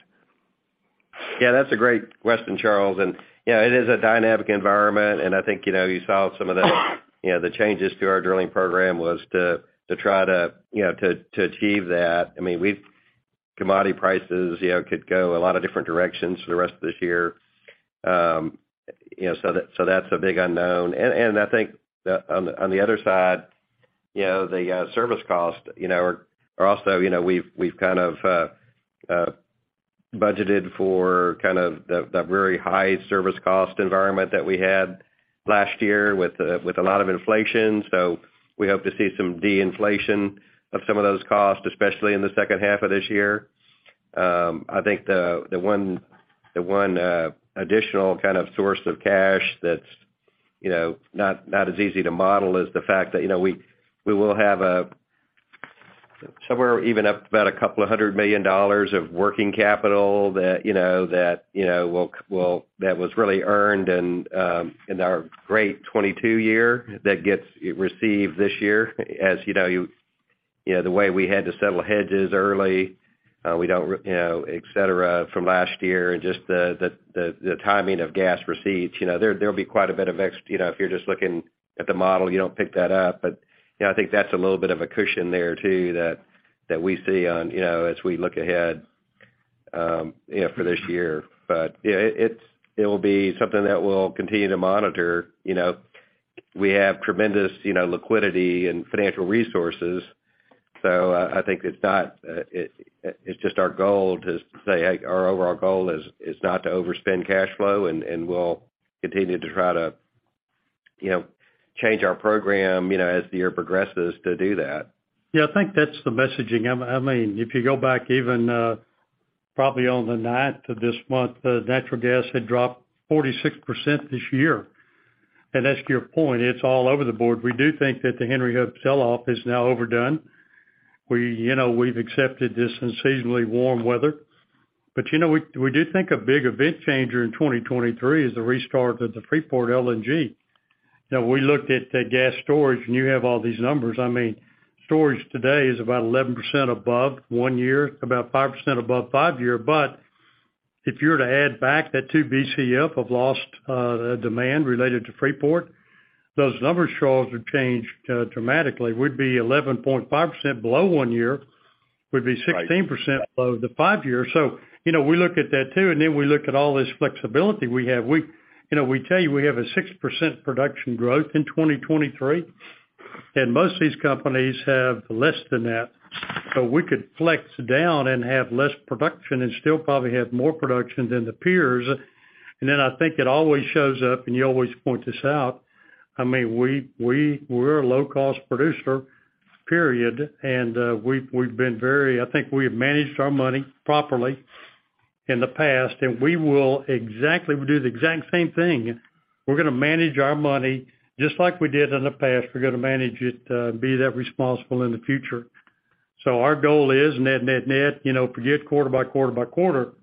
Yeah, that's a great question, Charles. You know, it is a dynamic environment. I think, you know, you saw some of the, you know, the changes to our drilling program was to try to, you know, to achieve that. I mean, we've... Commodity prices, you know, could go a lot of different directions for the rest of this year. You know, so that's a big unknown. I think on the, on the other side, you know, the service cost, you know, are also, you know, we've kind of budgeted for kind of that very high service cost environment that we had last year with a lot of inflation. We hope to see some deflation of some of those costs, especially in the second half of this year. I think the one, the one additional kind of source of cash that's, you know, not as easy to model is the fact that, you know, we will have somewhere even up about $200 million of working capital that, you know, that, you know, will that was really earned in our great 2022 year that gets received this year. As you know, you know, the way we had to settle hedges early, we don't, you know, et cetera, from last year and just the timing of gas receipts. You know, there'll be quite a bit of. You know, if you're just looking at the model, you don't pick that up. You know, I think that's a little bit of a cushion there too that we see on, you know, as we look ahead, you know, for this year. Yeah, it'll be something that we'll continue to monitor. You know, we have tremendous, you know, liquidity and financial resources. I think it's not... it's just our goal to say, "Hey, our overall goal is not to overspend cash flow, and we'll continue to try to, you know, change our program, you know, as the year progresses to do that. Yeah, I mean, if you go back even, probably on the 9th of this month, natural gas had dropped 46% this year. That's your point. It's all over the board. We do think that the Henry Hub sell-off is now overdone. You know, we've accepted this unseasonably warm weather. You know, we do think a big event changer in 2023 is the restart of the Freeport LNG. We looked at the gas storage, and you have all these numbers. I mean, storage today is about 11% above 1 year, about 5% above 5 year. If you were to add back that 2 Bcf of lost demand related to Freeport, those numbers, Charles, would change dramatically. We'd be 11.5% below 1 year. We'd be 16%. Right... below the 5-year. You know, we look at that too, and then we look at all this flexibility we have. We, you know, we tell you we have a 6% production growth in 2023, and most of these companies have less than that. We could flex down and have less production and still probably have more production than the peers. Then I think it always shows up, and you always point this out. I mean, we're a low-cost producer, period. We've been I think we have managed our money properly in the past, and we will do the exact same thing. We're gonna manage our money just like we did in the past. We're gonna manage it, be that responsible in the future. Our goal is net, net, you know, forget quarter by quarter by quarter.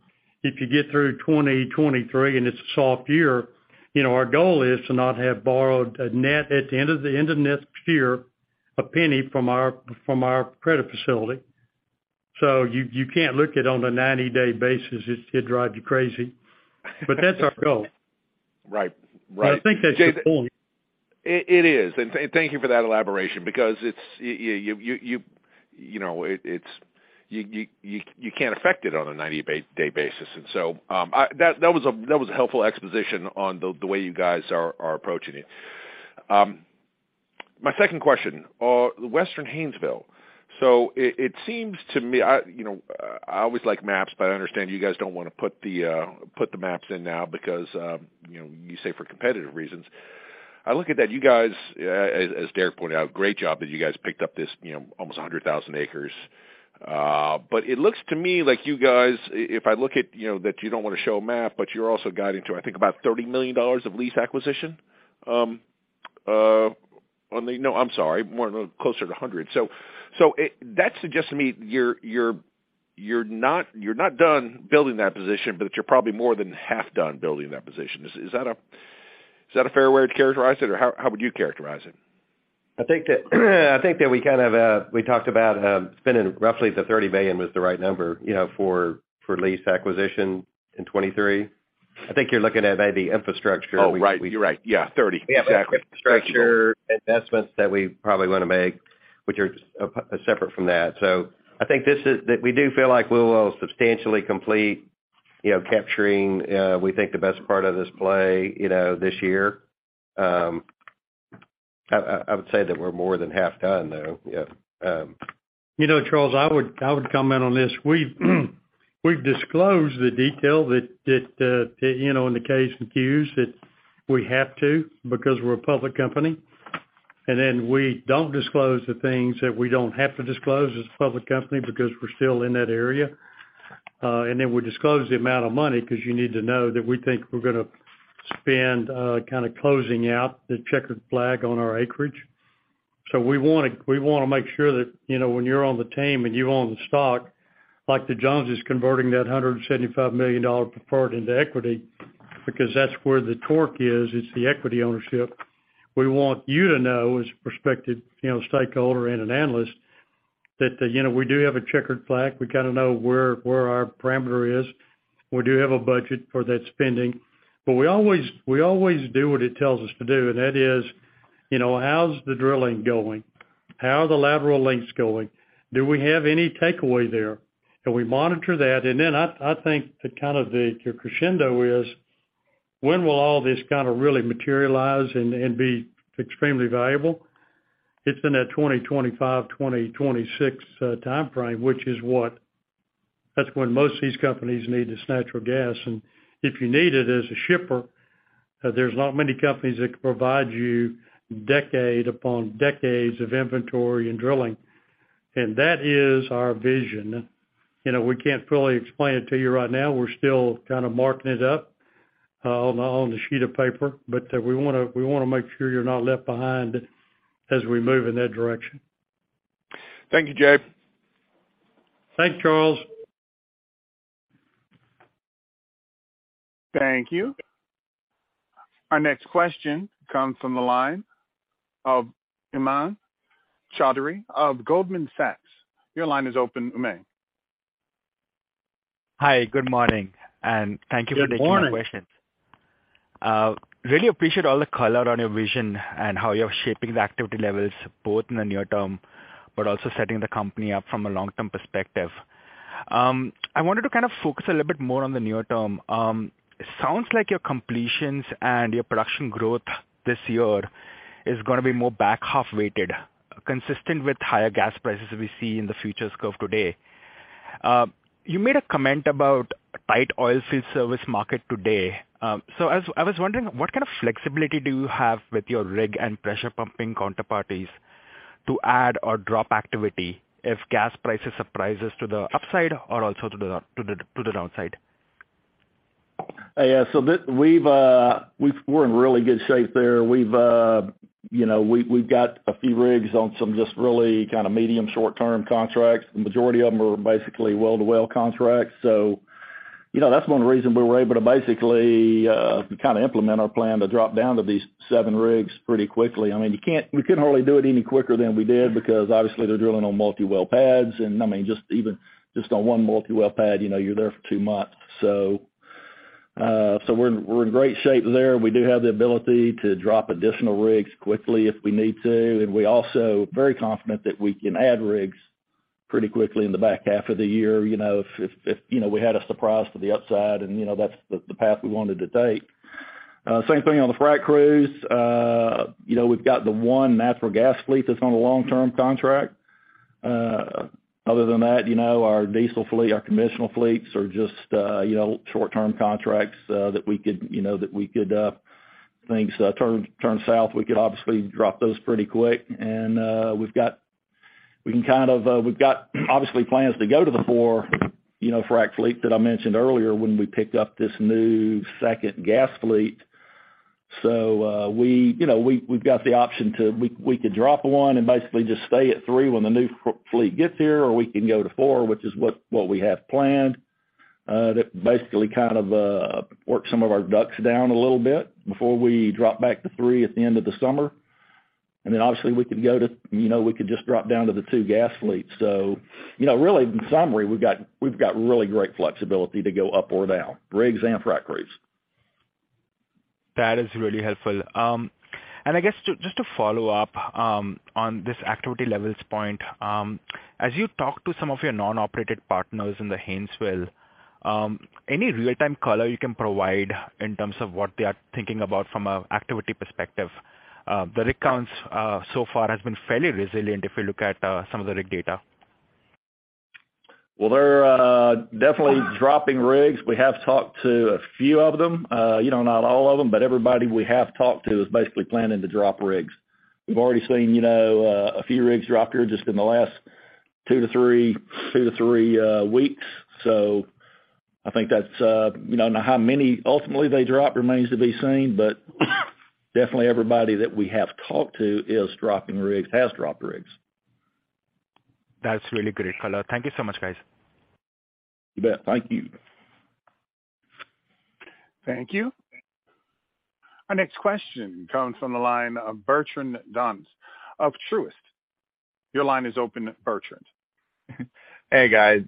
If you get through 2023 and it's a soft year, you know, our goal is to not have borrowed a net at the end of next year, a penny from our credit facility. You can't look at on a 90-day basis. It'd drive you crazy. That's our goal. Right. Right. I think that's the point. It is. Thank you for that elaboration because it's... you know, you can't affect it on a 90-day basis. That was a helpful exposition on the way you guys are approaching it. My second question. Western Haynesville. It seems to me, I, you know, I always like maps, but I understand you guys don't wanna put the maps in now because, you know, you say for competitive reasons. I look at that, you guys, as Derrick pointed out, great job that you guys picked up this, you know, almost 100,000 acres. It looks to me like you guys, if I look at, you know, that you don't wanna show a map, but you're also guiding to, I think, about $30 million of lease acquisition, on the. No, I'm sorry, more closer to $100 million. That suggests to me you're not done building that position, but you're probably more than half done building that position. Is that a fair way to characterize it, or how would you characterize it? I think that we kind of, we talked about spending roughly the $30 million was the right number, you know, for lease acquisition in 2023. I think you're looking at maybe infrastructure. Oh, right. You're right. Yeah, 30. Exactly. Yeah, infrastructure investments that we probably wanna make, which are separate from that. I think that we do feel like we will substantially complete, you know, capturing, we think the best part of this play, you know, this year. I would say that we're more than half done, though. Yeah. You know, Charles, I would, I would comment on this. We've, we've disclosed the detail that, you know, in the Cazeys and Qs that we have to because we're a public company. We don't disclose the things that we don't have to disclose as a public company because we're still in that area. We disclose the amount of money 'cause you need to know that we think we're gonna spend, kinda closing out the checkered flag on our acreage. We wanna, we wanna make sure that, you know, when you're on the team and you own the stock, like the Jones' converting that $175 million preferred into equity, because that's where the torque is, it's the equity ownership. We want you to know as a prospective, you know, stakeholder and an analyst that, you know, we do have a checkered flag. We kinda know where our parameter is. We do have a budget for that spending, but we always do what it tells us to do, and that is, you know, how's the drilling going? How are the lateral lengths going? Do we have any takeaway there? We monitor that. Then I think the kind of the crescendo is when will all this kinda really materialize and be extremely valuable? It's in that 2025, 2026 timeframe, which is that's when most of these companies need this natural gas. If you need it as a shipper, there's not many companies that can provide you decade upon decades of inventory and drilling. That is our vision. You know, we can't fully explain it to you right now. We're still kinda marking it up, on a sheet of paper, but we wanna make sure you're not left behind as we move in that direction. Thank you, Jay. Thanks, Charles. Thank you. Our next question comes from the line of Umang Choudhary of Goldman Sachs. Your line is open, Umang. Hi, good morning, and thank you for taking my questions. Good morning. Really appreciate all the color on your vision and how you're shaping the activity levels both in the near term, but also setting the company up from a long-term perspective. I wanted to kind of focus a little bit more on the near term. It sounds like your completions and your production growth this year is gonna be more back half weighted, consistent with higher gas prices we see in the futures curve today. You made a comment about tight oil field service market today. I was wondering what kind of flexibility do you have with your rig and pressure pumping counterparties to add or drop activity if gas prices surprises to the upside or also to the downside? Yeah. We're in really good shape there. We've, you know, we've got a few rigs on some just really kinda medium short-term contracts. The majority of them are basically well-to-well contracts. You know, that's one reason we were able to basically, kind of implement our plan to drop down to these seven rigs pretty quickly. I mean, we couldn't really do it any quicker than we did because obviously they're drilling on multi-well pads and, I mean, just even, just on one multi-well pad, you know, you're there for two months. We're in great shape there. We do have the ability to drop additional rigs quickly if we need to. We also very confident that we can add rigs pretty quickly in the back half of the year, you know, if, you know, we had a surprise to the upside and, you know, that's the path we wanted to take. Same thing on the frac crews. You know, we've got the 1 natural gas fleet that's on a long-term contract. Other than that, you know, our diesel fleet, our conventional fleets are just, you know, short-term contracts that we could, things turn south, we could obviously drop those pretty quick. We can kind of, we've got obviously plans to go to the 4, you know, frac fleet that I mentioned earlier when we picked up this new second gas fleet. We, you know, we've got the option to... We could drop 1 and basically just stay at 3 when the new frac fleet gets here, or we can go to 4, which is what we have planned. That basically kind of work some of our DUCs down a little bit before we drop back to 3 at the end of the summer. Obviously, we could go to, you know, we could just drop down to the 2 gas fleets. You know, really in summary, we've got really great flexibility to go up or down, rigs and frac crews. That is really helpful. I guess to, just to follow up, on this activity levels point, as you talk to some of your non-operated partners in the Haynesville, any real-time color you can provide in terms of what they are thinking about from a activity perspective? The rig counts, so far has been fairly resilient if you look at, some of the rig data. They're definitely dropping rigs. We have talked to a few of them. You know, not all of them, but everybody we have talked to is basically planning to drop rigs. We've already seen, you know, a few rigs drop here just in the last two to three weeks. I think that's, you know, how many ultimately they drop remains to be seen, but definitely everybody that we have talked to is dropping rigs, has dropped rigs. That's really great color. Thank you so much, guys. You bet. Thank you. Thank you. Our next question comes from the line of Bertrand Donnes of Truist. Your line is open, Bertrand. Hey, guys.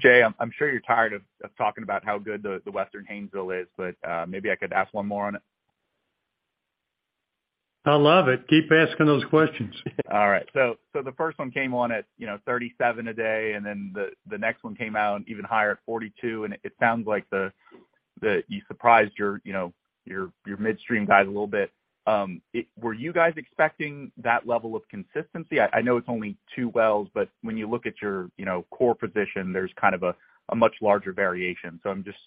Jay, I'm sure you're tired of talking about how good the Western Haynesville is, but maybe I could ask one more on it. I love it. Keep asking those questions. All right. So the first one came on at, you know, 37 a day, and then the next one came out even higher at 42. It sounds like you surprised your, you know, your midstream guys a little bit. Were you guys expecting that level of consistency? I know it's only two wells, but when you look at your, you know, core position, there's kind of a much larger variation. I'm just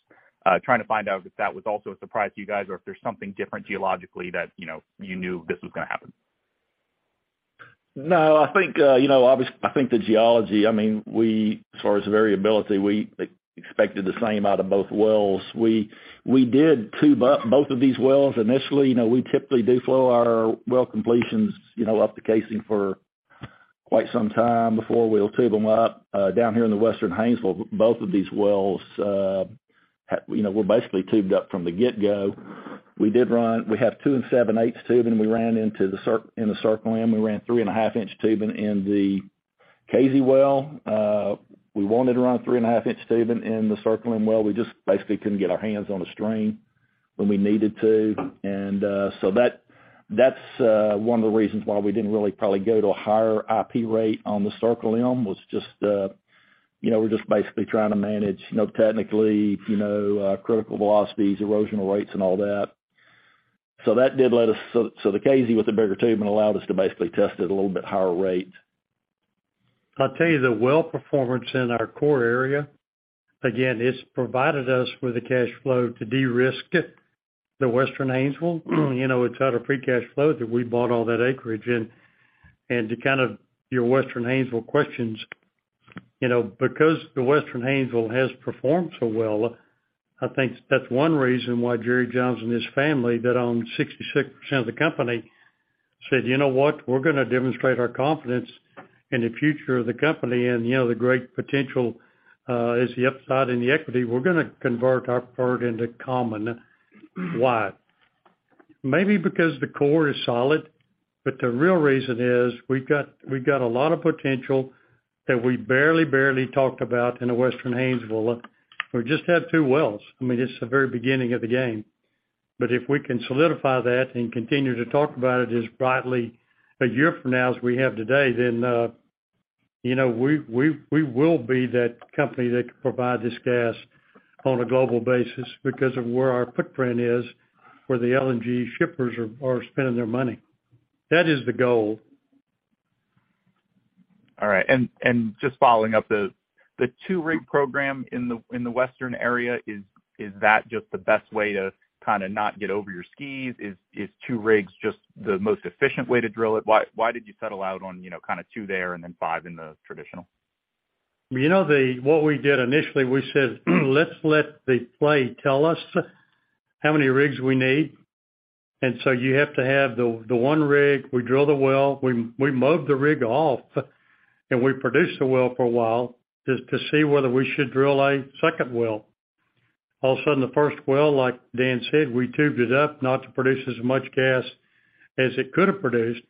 trying to find out if that was also a surprise to you guys or if there's something different geologically that, you know, you knew this was gonna happen. No, I think, you know, I think the geology, I mean, we, as far as variability, we expected the same out of both wells. We did tube up both of these wells initially. You know, we typically do flow our well completions, you know, up the casing for quite some time before we'll tube them up. Down here in the Western Haynesville, both of these wells, you know, were basically tubed up from the get-go. We have two and seven-eighths tubing. We ran into the Circle M. We ran three-and-a-half inch tubing in the Cazey well. We wanted to run a three-and-a-half inch tubing in the Circle M well. We just basically couldn't get our hands on a string when we needed to. That, that's, one of the reasons why we didn't really probably go to a higher IP rate on the Circle M, was just, you know, we're just basically trying to manage, you know, technically, you know, critical velocities, erosional rates and all that. The Cazey with the bigger tubing allowed us to basically test at a little bit higher rate. I'll tell you the well performance in our core area, again, it's provided us with the cash flow to de-risk it, the Western Haynesville. You know, it's out of free cash flow that we bought all that acreage in. To kind of your Western Haynesville questions, you know, because the Western Haynesville has performed so well, I think that's one reason why Jerry Jones and his family that own 66% of the company said, "You know what? We're gonna demonstrate our confidence in the future of the company and, you know, the great potential, is the upside in the equity. We're gonna convert our preferred into common." Why? Maybe because the core is solid, but the real reason is we've got a lot of potential that we barely talked about in the Western Haynesville. We just have two wells. I mean, it's the very beginning of the game. If we can solidify that and continue to talk about it as brightly a year from now as we have today, then, you know, we will be that company that can provide this gas on a global basis because of where our footprint is, where the LNG shippers are spending their money. That is the goal. All right. Just following up, the 2-rig program in the Western area, is that just the best way to kinda not get over your skis? Is 2 rigs just the most efficient way to drill it? Why did you settle out on, you know, kinda 2 there and then 5 in the traditional? You know, what we did initially, we said, "Let's let the play tell us how many rigs we need." You have to have the one rig, we drill the well, we move the rig off, and we produce the well for a while just to see whether we should drill a second well. All of a sudden, the first well, like Dan said, we tubed it up not to produce as much gas as it could have produced.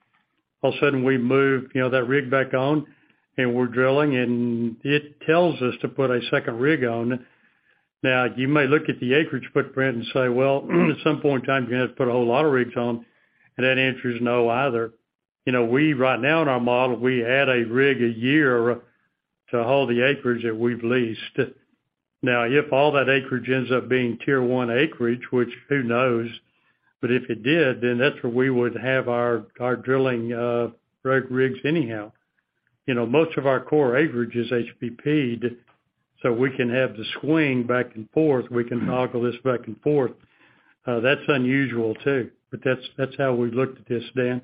All of a sudden, we move, you know, that rig back on and we're drilling, and it tells us to put a second rig on. Now, you may look at the acreage footprint and say, "Well, at some point in time, you're gonna have to put a whole lot of rigs on." That answer is no either. You know, we, right now in our model, we add a rig a year to hold the acreage that we've leased. If all that acreage ends up being Tier One acreage, which who knows, but if it did, then that's where we would have our drilling rigs anyhow. You know, most of our core acreage is HPP'd, we can have the swing back and forth. We can toggle this back and forth. That's unusual, too, but that's how we looked at this, Dan.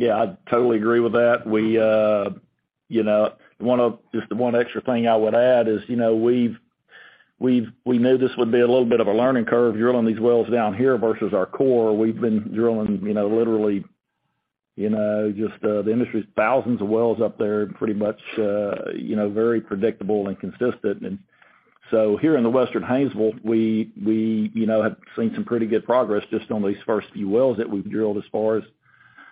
Yeah, I totally agree with that. We, you know, just the one extra thing I would add is, you know, we knew this would be a little bit of a learning curve drilling these wells down here versus our core. We've been drilling, you know, literally, you know, just the industry's thousands of wells up there pretty much, you know, very predictable and consistent. Here in the Western Haynesville, we, you know, have seen some pretty good progress just on these first few wells that we've drilled as far as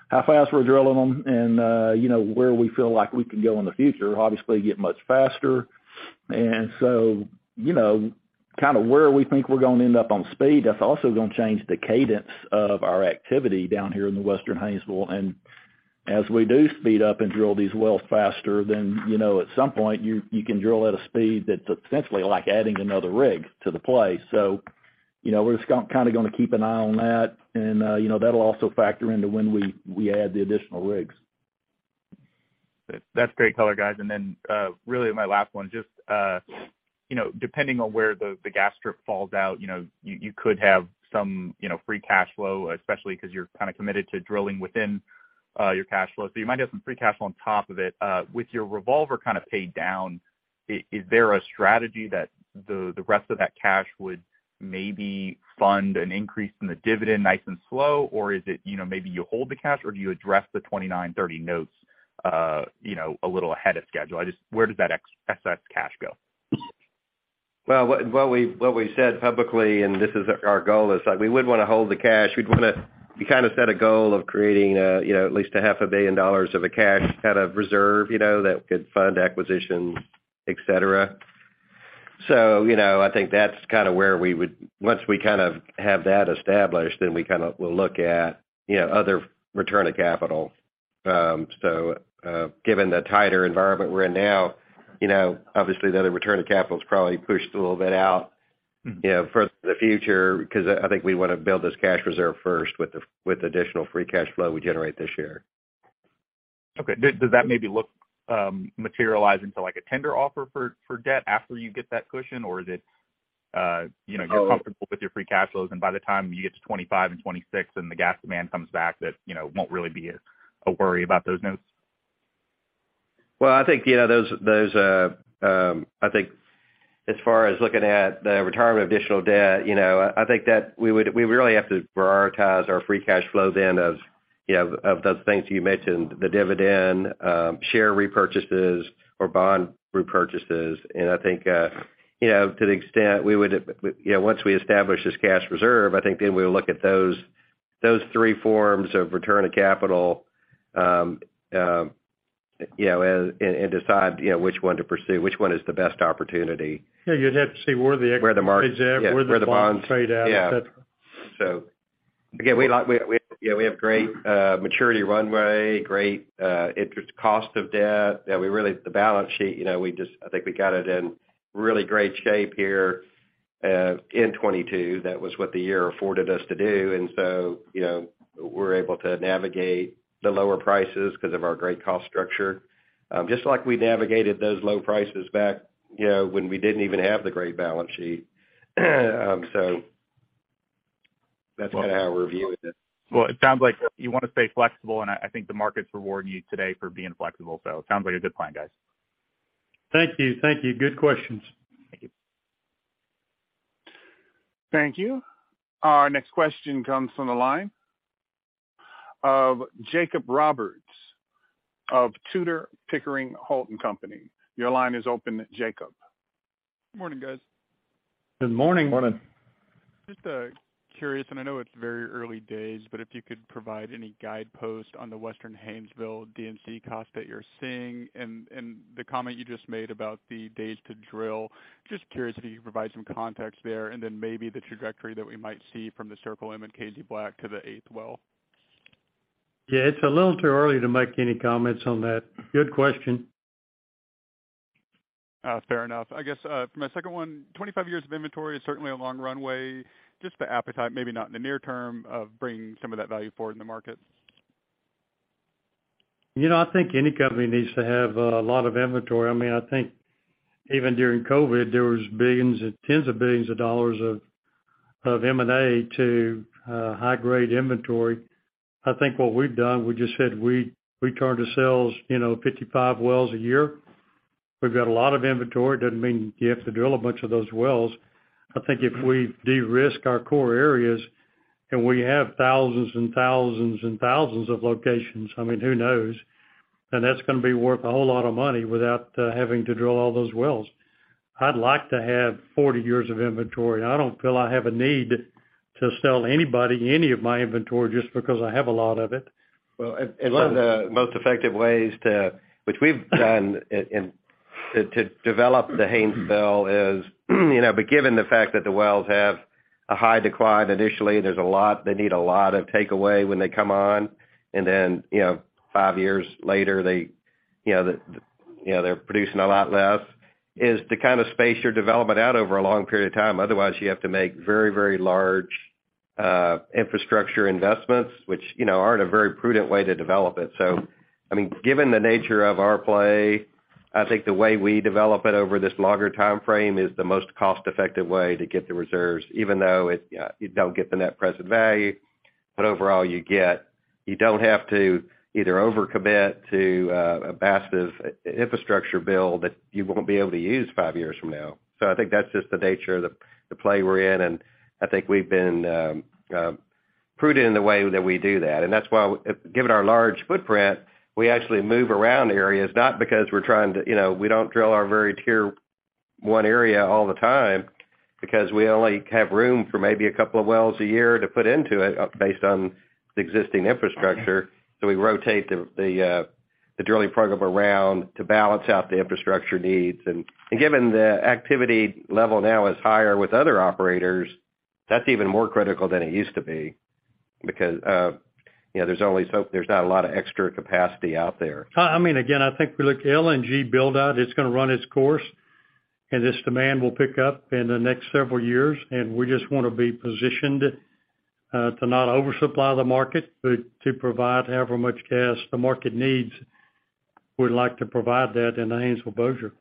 how fast we're drilling them and, you know, where we feel like we can go in the future, obviously get much faster. You know, kinda where we think we're gonna end up on speed, that's also gonna change the cadence of our activity down here in the Western Haynesville. As we do speed up and drill these wells faster, then, you know, at some point you can drill at a speed that's essentially like adding another rig to the play. You know, we're just kinda gonna keep an eye on that and, you know, that'll also factor into when we add the additional rigs. That's great color, guys. Really my last one, just, you know, depending on where the gas strip falls out, you know, you could have some, you know, free cash flow, especially 'cause you're kinda committed to drilling within your cash flow. You might have some free cash flow on top of it. With your revolver kind of paid down, is there a strategy that the rest of that cash would maybe fund an increase in the dividend nice and slow? Is it, you know, maybe you hold the cash, or do you address the 29, 30 notes, you know, a little ahead of schedule? Where does that excess cash go? Well, what we said publicly, and this is our goal, is that we would wanna hold the cash. We'd wanna we kinda set a goal of creating, you know, at least a half a billion dollars of a cash kind of reserve, you know, that could fund acquisitions, et cetera. You know, I think that's kinda where we would. Once we kind of have that established, then we kinda will look at, you know, other return of capital. Given the tighter environment we're in now, you know, obviously, the return of capital is probably pushed a little bit out, you know, further in the future because I think we want to build this cash reserve first with the, with additional free cash flow we generate this year. Okay. Does that maybe look, materialize into like a tender offer for debt after you get that cushion? Is it, you know, you're comfortable with your free cash flows, and by the time you get to 25 and 26 and the gas demand comes back, that, you know, it won't really be a worry about those notes? Well, I think, you know, those, I think as far as looking at the retirement of additional debt, you know, I think that we really have to prioritize our free cash flow then as, you know, of those things you mentioned, the dividend, share repurchases or bond repurchases. I think, you know, to the extent we would, you know, once we establish this cash reserve, I think then we'll look at those three forms of return of capital, you know, and decide, you know, which one to pursue, which one is the best opportunity. Yeah, you'd have to see where the-. Where the market- Where the bonds trade out, et cetera. Yeah. Again, we, you know, we have great maturity runway, great interest cost of debt. You know, the balance sheet, you know, we just, I think we got it in really great shape here in 2022. That was what the year afforded us to do. You know, we're able to navigate the lower prices because of our great cost structure. Just like we navigated those low prices back, you know, when we didn't even have the great balance sheet. That's kind of how we're viewing it. It sounds like you want to stay flexible, and I think the market's rewarding you today for being flexible, so it sounds like a good plan, guys. Thank you. Thank you. Good questions. Thank you. Thank you. Our next question comes from the line of Jacob Roberts of Tudor, Pickering, Holt & Co. Your line is open, Jacob. Morning, guys. Good morning. Morning. Just curious, and I know it's very early days, but if you could provide any guidepost on the Western Haynesville D&C cost that you're seeing and the comment you just made about the days to drill. Just curious if you could provide some context there and then maybe the trajectory that we might see from the Circle M and Cazey Black to the eighth well. Yeah, it's a little too early to make any comments on that. Good question. Fair enough. I guess, for my second one, 25 years of inventory is certainly a long runway. Just the appetite, maybe not in the near term, of bringing some of that value forward in the market. You know, I think any company needs to have a lot of inventory. I mean, I think even during COVID, there was billions, tens of billions of dollars of M&A to high grade inventory. I think what we've done, we just said, we turn to selves, you know, 55 wells a year. We've got a lot of inventory. It doesn't mean you have to drill a bunch of those wells. I think if we de-risk our core areas and we have thousands and thousands and thousands of locations, I mean, who knows? That's gonna be worth a whole lot of money without having to drill all those wells. I'd like to have 40 years of inventory. I don't feel I have a need to sell anybody any of my inventory just because I have a lot of it. Well, one of the most effective ways to, which we've done in, to develop the Haynesville is, you know, but given the fact that the wells have a high decline initially, there's a lot, they need a lot of takeaway when they come on. You know, five years later, they, you know, the, you know, they're producing a lot less, is to kind of space your development out over a long period of time. Otherwise, you have to make very, very large infrastructure investments, which, you know, aren't a very prudent way to develop it. I mean, given the nature of our play, I think the way we develop it over this longer timeframe is the most cost-effective way to get the reserves, even though it, you know, you don't get the net present value. Overall, you get... You don't have to either overcommit to a massive infrastructure bill that you won't be able to use 5 years from now. I think that's just the nature of the play we're in, and I think we've been prudent in the way that we do that. That's why, given our large footprint, we actually move around areas, not because we're trying to, you know, we don't drill our very tier one area all the time because we only have room for maybe a couple of wells a year to put into it based on the existing infrastructure. We rotate the drilling program around to balance out the infrastructure needs. Given the activity level now is higher with other operators, that's even more critical than it used to be because, you know, there's not a lot of extra capacity out there. I mean, again, I think we look LNG build out, it's gonna run its course, and this demand will pick up in the next several years, and we just wanna be positioned, to not oversupply the market, but to provide however much gas the market needs. We'd like to provide that in the Haynesville Bossier.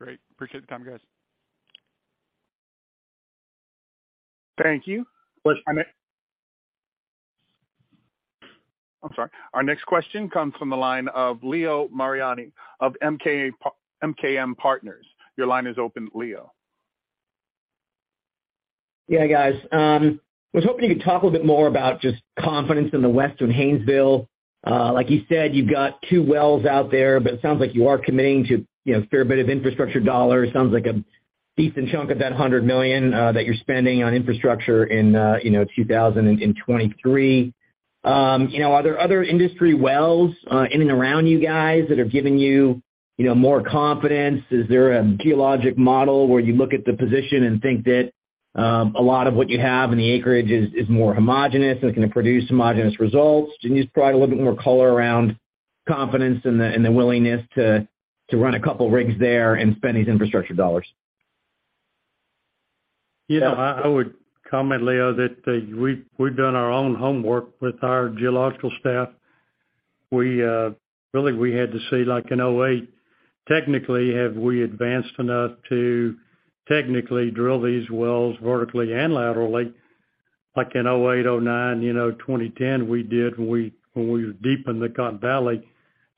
Great. Appreciate the time, guys. Thank you. Our ne- Pleasure. I'm sorry. Our next question comes from the line of Leo Mariani of MKM Partners. Your line is open, Leo. Yeah, guys. Was hoping you could talk a little bit more about just confidence in the Western Haynesville. Like you said, you've got two wells out there, but it sounds like you are committing to, you know, a fair bit of infrastructure dollars. Sounds like a decent chunk of that $100 million that you're spending on infrastructure in, you know, 2023. You know, are there other industry wells in and around you guys that are giving you know, more confidence? Is there a geologic model where you look at the position and think that a lot of what you have in the acreage is more homogenous and can produce homogenous results. Can you just provide a little bit more color around confidence and the willingness to run a couple rigs there and spend these infrastructure dollars? Yeah. I would comment, Leo, that we've done our own homework with our geological staff. We, really, we had to see, like in 2008, technically, have we advanced enough to technically drill these wells vertically and laterally like in 2008, 2009, you know, 2010 we did when we, when we deepened the Cotton Valley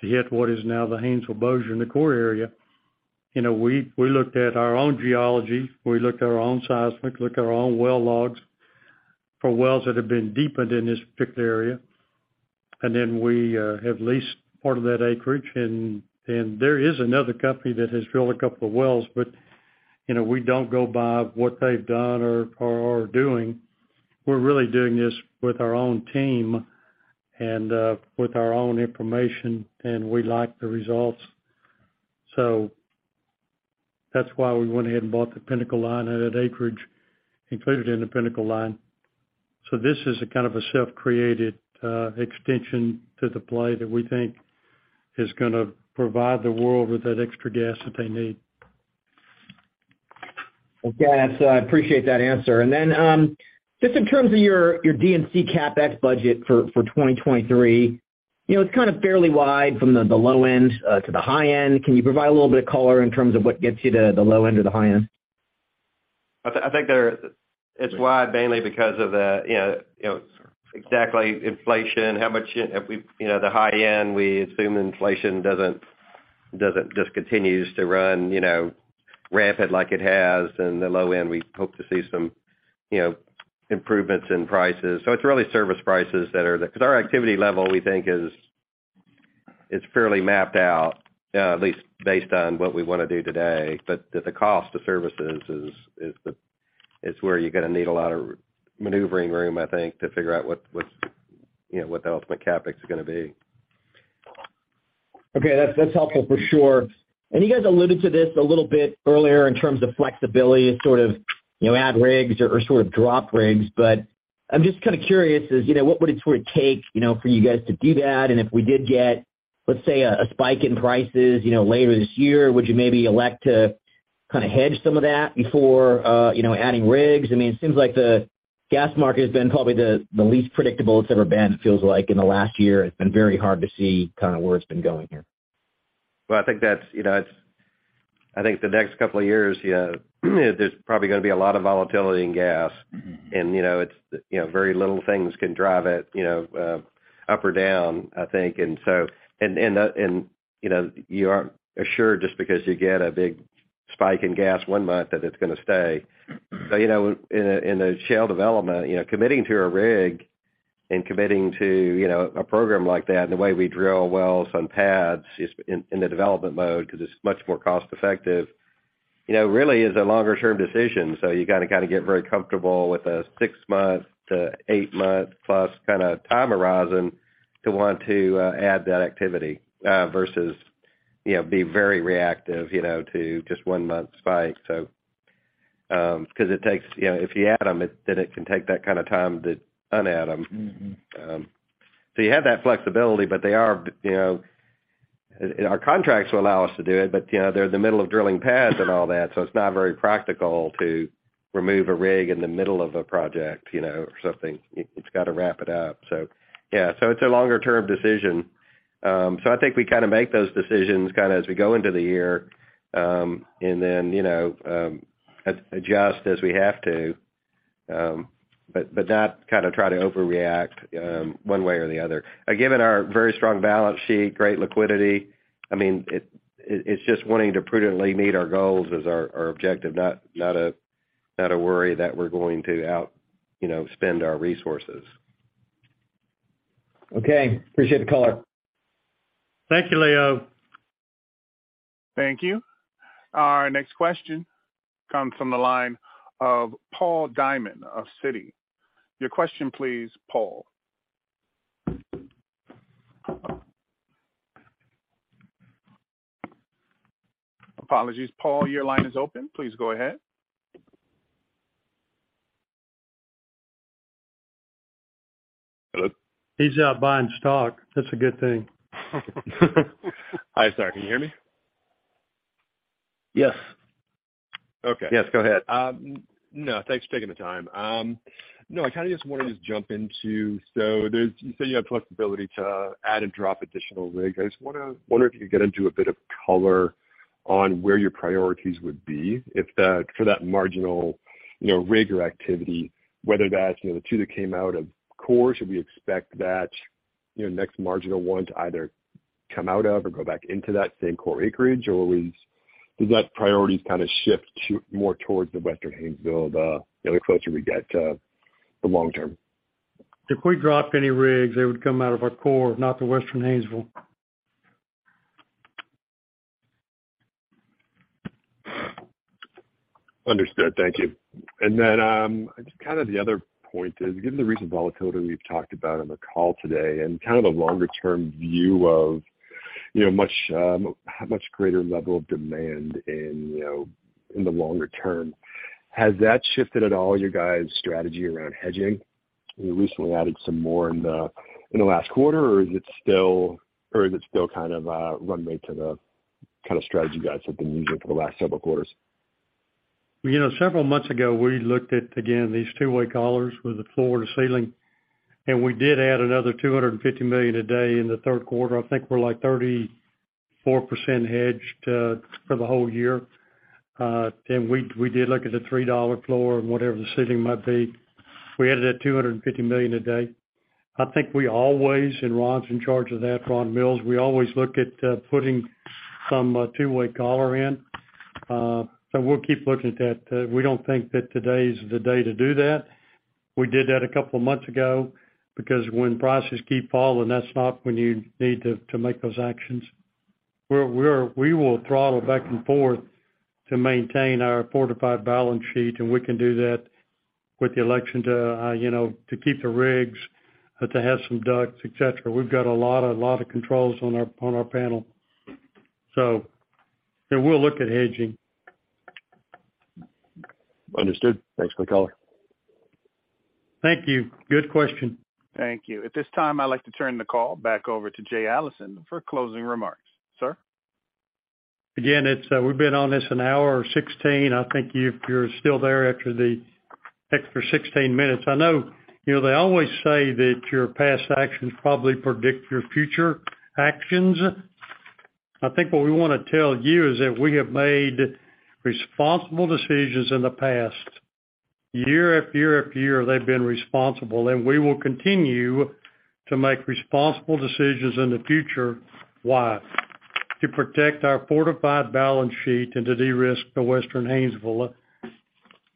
to hit what is now the Haynesville Bossier in the core area. You know, we looked at our own geology, we looked at our own seismic, looked at our own well logs for wells that have been deepened in this particular area. We have leased part of that acreage. There is another company that has drilled 2 wells, you know, we don't go by what they've done or are doing. We're really doing this with our own team and, with our own information, and we like the results. That's why we went ahead and bought the Pinnacle Line and that acreage included in the Pinnacle Line. This is a kind of a self-created, extension to the play that we think is gonna provide the world with that extra gas that they need. Okay. That's I appreciate that answer. Then, just in terms of your D&C CapEx budget for 2023, you know, it's kind of fairly wide from the low end, to the high end. Can you provide a little bit of color in terms of what gets you to the low end or the high end? I think there... It's wide mainly because of the, you know, you know, exactly inflation, how much if we... You know, the high end, we assume inflation doesn't just continues to run, you know, rapid like it has. In the low end, we hope to see some, you know, improvements in prices. It's really service prices that are the... 'Cause our activity level, we think, is fairly mapped out, at least based on what we wanna do today. The cost of services is the, is where you're gonna need a lot of maneuvering room, I think, to figure out what's, you know, what the ultimate CapEx is gonna be. Okay. That's helpful for sure. You guys alluded to this a little bit earlier in terms of flexibility to sort of, you know, add rigs or sort of drop rigs. I'm just kinda curious is, you know, what would it sort of take, you know, for you guys to do that? If we did get, let's say, a spike in prices, you know, later this year, would you maybe elect to kinda hedge some of that before, you know, adding rigs? I mean, it seems like the gas market has been probably the least predictable it's ever been, it feels like, in the last year. It's been very hard to see kinda where it's been going here. Well, I think that's, you know, I think the next couple of years, you know, there's probably going to be a lot of volatility in gas. Mm-hmm. You know, it's, you know, very little things can drive it, you know, up or down, I think. You aren't assured just because you get a big spike in gas one month that it's gonna stay. You know, in a, in a shale development, you know, committing to a rig and committing to, you know, a program like that, and the way we drill wells on pads is in the development mode, 'cause it's much more cost effective, you know, really is a longer term decision. You gotta kinda get very comfortable with a six-month to eight-month plus kinda time horizon to want to add that activity versus, you know, be very reactive, you know, to just one month spike. 'Cause it takes. You know, if you add them, then it can take that kind of time to un-add them. Mm-hmm. You have that flexibility, but they are, you know. Our contracts will allow us to do it, but, you know, they're in the middle of drilling pads and all that, so it's not very practical to remove a rig in the middle of a project, you know, or something. You've gotta wrap it up. Yeah. It's a longer term decision. I think we kinda make those decisions kinda as we go into the year, and then, you know, adjust as we have to, but not kinda try to overreact one way or the other. Given our very strong balance sheet, great liquidity, I mean, it's just wanting to prudently meet our goals as our objective, not a worry that we're going to out, you know, spend our resources. Okay. Appreciate the color. Thank you, Leo. Thank you. Our next question comes from the line of Paul Diamond of Citi. Your question, please, Paul. Apologies. Paul, your line is open. Please go ahead. Hello? He's out buying stock. That's a good thing. Hi. Sorry. Can you hear me? Yes. Okay. Yes, go ahead. Thanks for taking the time. I kinda just wanted to just jump into... you say you have flexibility to add and drop additional rigs. I just wonder if you could get into a bit of color on where your priorities would be if for that marginal, you know, rig or activity, whether that's, you know, the 2 that came out of core. Should we expect that, you know, next marginal one to either come out of or go back into that same core acreage, or will that priority kinda shift to more towards the Western Haynesville the closer we get to the long term? If we dropped any rigs, they would come out of our core, not the Western Haynesville. Understood. Thank you. Then, just kind of the other point is, given the recent volatility we've talked about on the call today and kind of a longer term view of. You know, much, much greater level of demand in, you know, in the longer term. Has that shifted at all your guys' strategy around hedging? You recently added some more in the last quarter, or is it still kind of runway to the kind of strategy you guys have been using for the last several quarters? You know, several months ago, we looked at, again, these two-way collars with the floor to ceiling, we did add another $250 million a day in the 3rd quarter. I think we're, like, 34% hedged, for the whole year. We did look at the $3 floor and whatever the ceiling might be. We added at $250 million a day. I think we always, and Ron's in charge of that, Ron Mills, we always look at, putting some two-way collar in. We'll keep looking at that. We don't think that today is the day to do that. We did that a couple of months ago because when prices keep falling, that's not when you need to make those actions. We will throttle back and forth to maintain our fortified balance sheet, and we can do that with the election to, you know, to keep the rigs, to have some DUCs, et cetera. We've got a lot of controls on our panel, so. We'll look at hedging. Understood. Thanks for the call. Thank you. Good question. Thank you. At this time, I'd like to turn the call back over to Jay Allison for closing remarks. Sir. Again, it's, we've been on this an hour or 16. I think if you're still there after the extra 16 minutes, I know, you know, they always say that your past actions probably predict your future actions. I think what we wanna tell you is that we have made responsible decisions in the past. Year after year after year, they've been responsible, and we will continue to make responsible decisions in the future. Why? To protect our fortified balance sheet and to de-risk the Western Haynesville.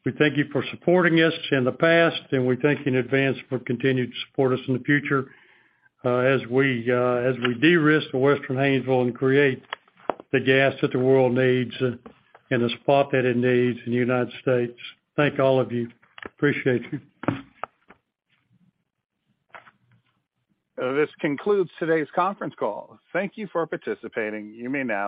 We thank you for supporting us in the past, and we thank you in advance for continuing to support us in the future, as we, as we de-risk the Western Haynesville and create the gas that the world needs and the spot that it needs in the United States. Thank all of you. Appreciate you. This concludes today's conference call. Thank you for participating. You may now disconnect.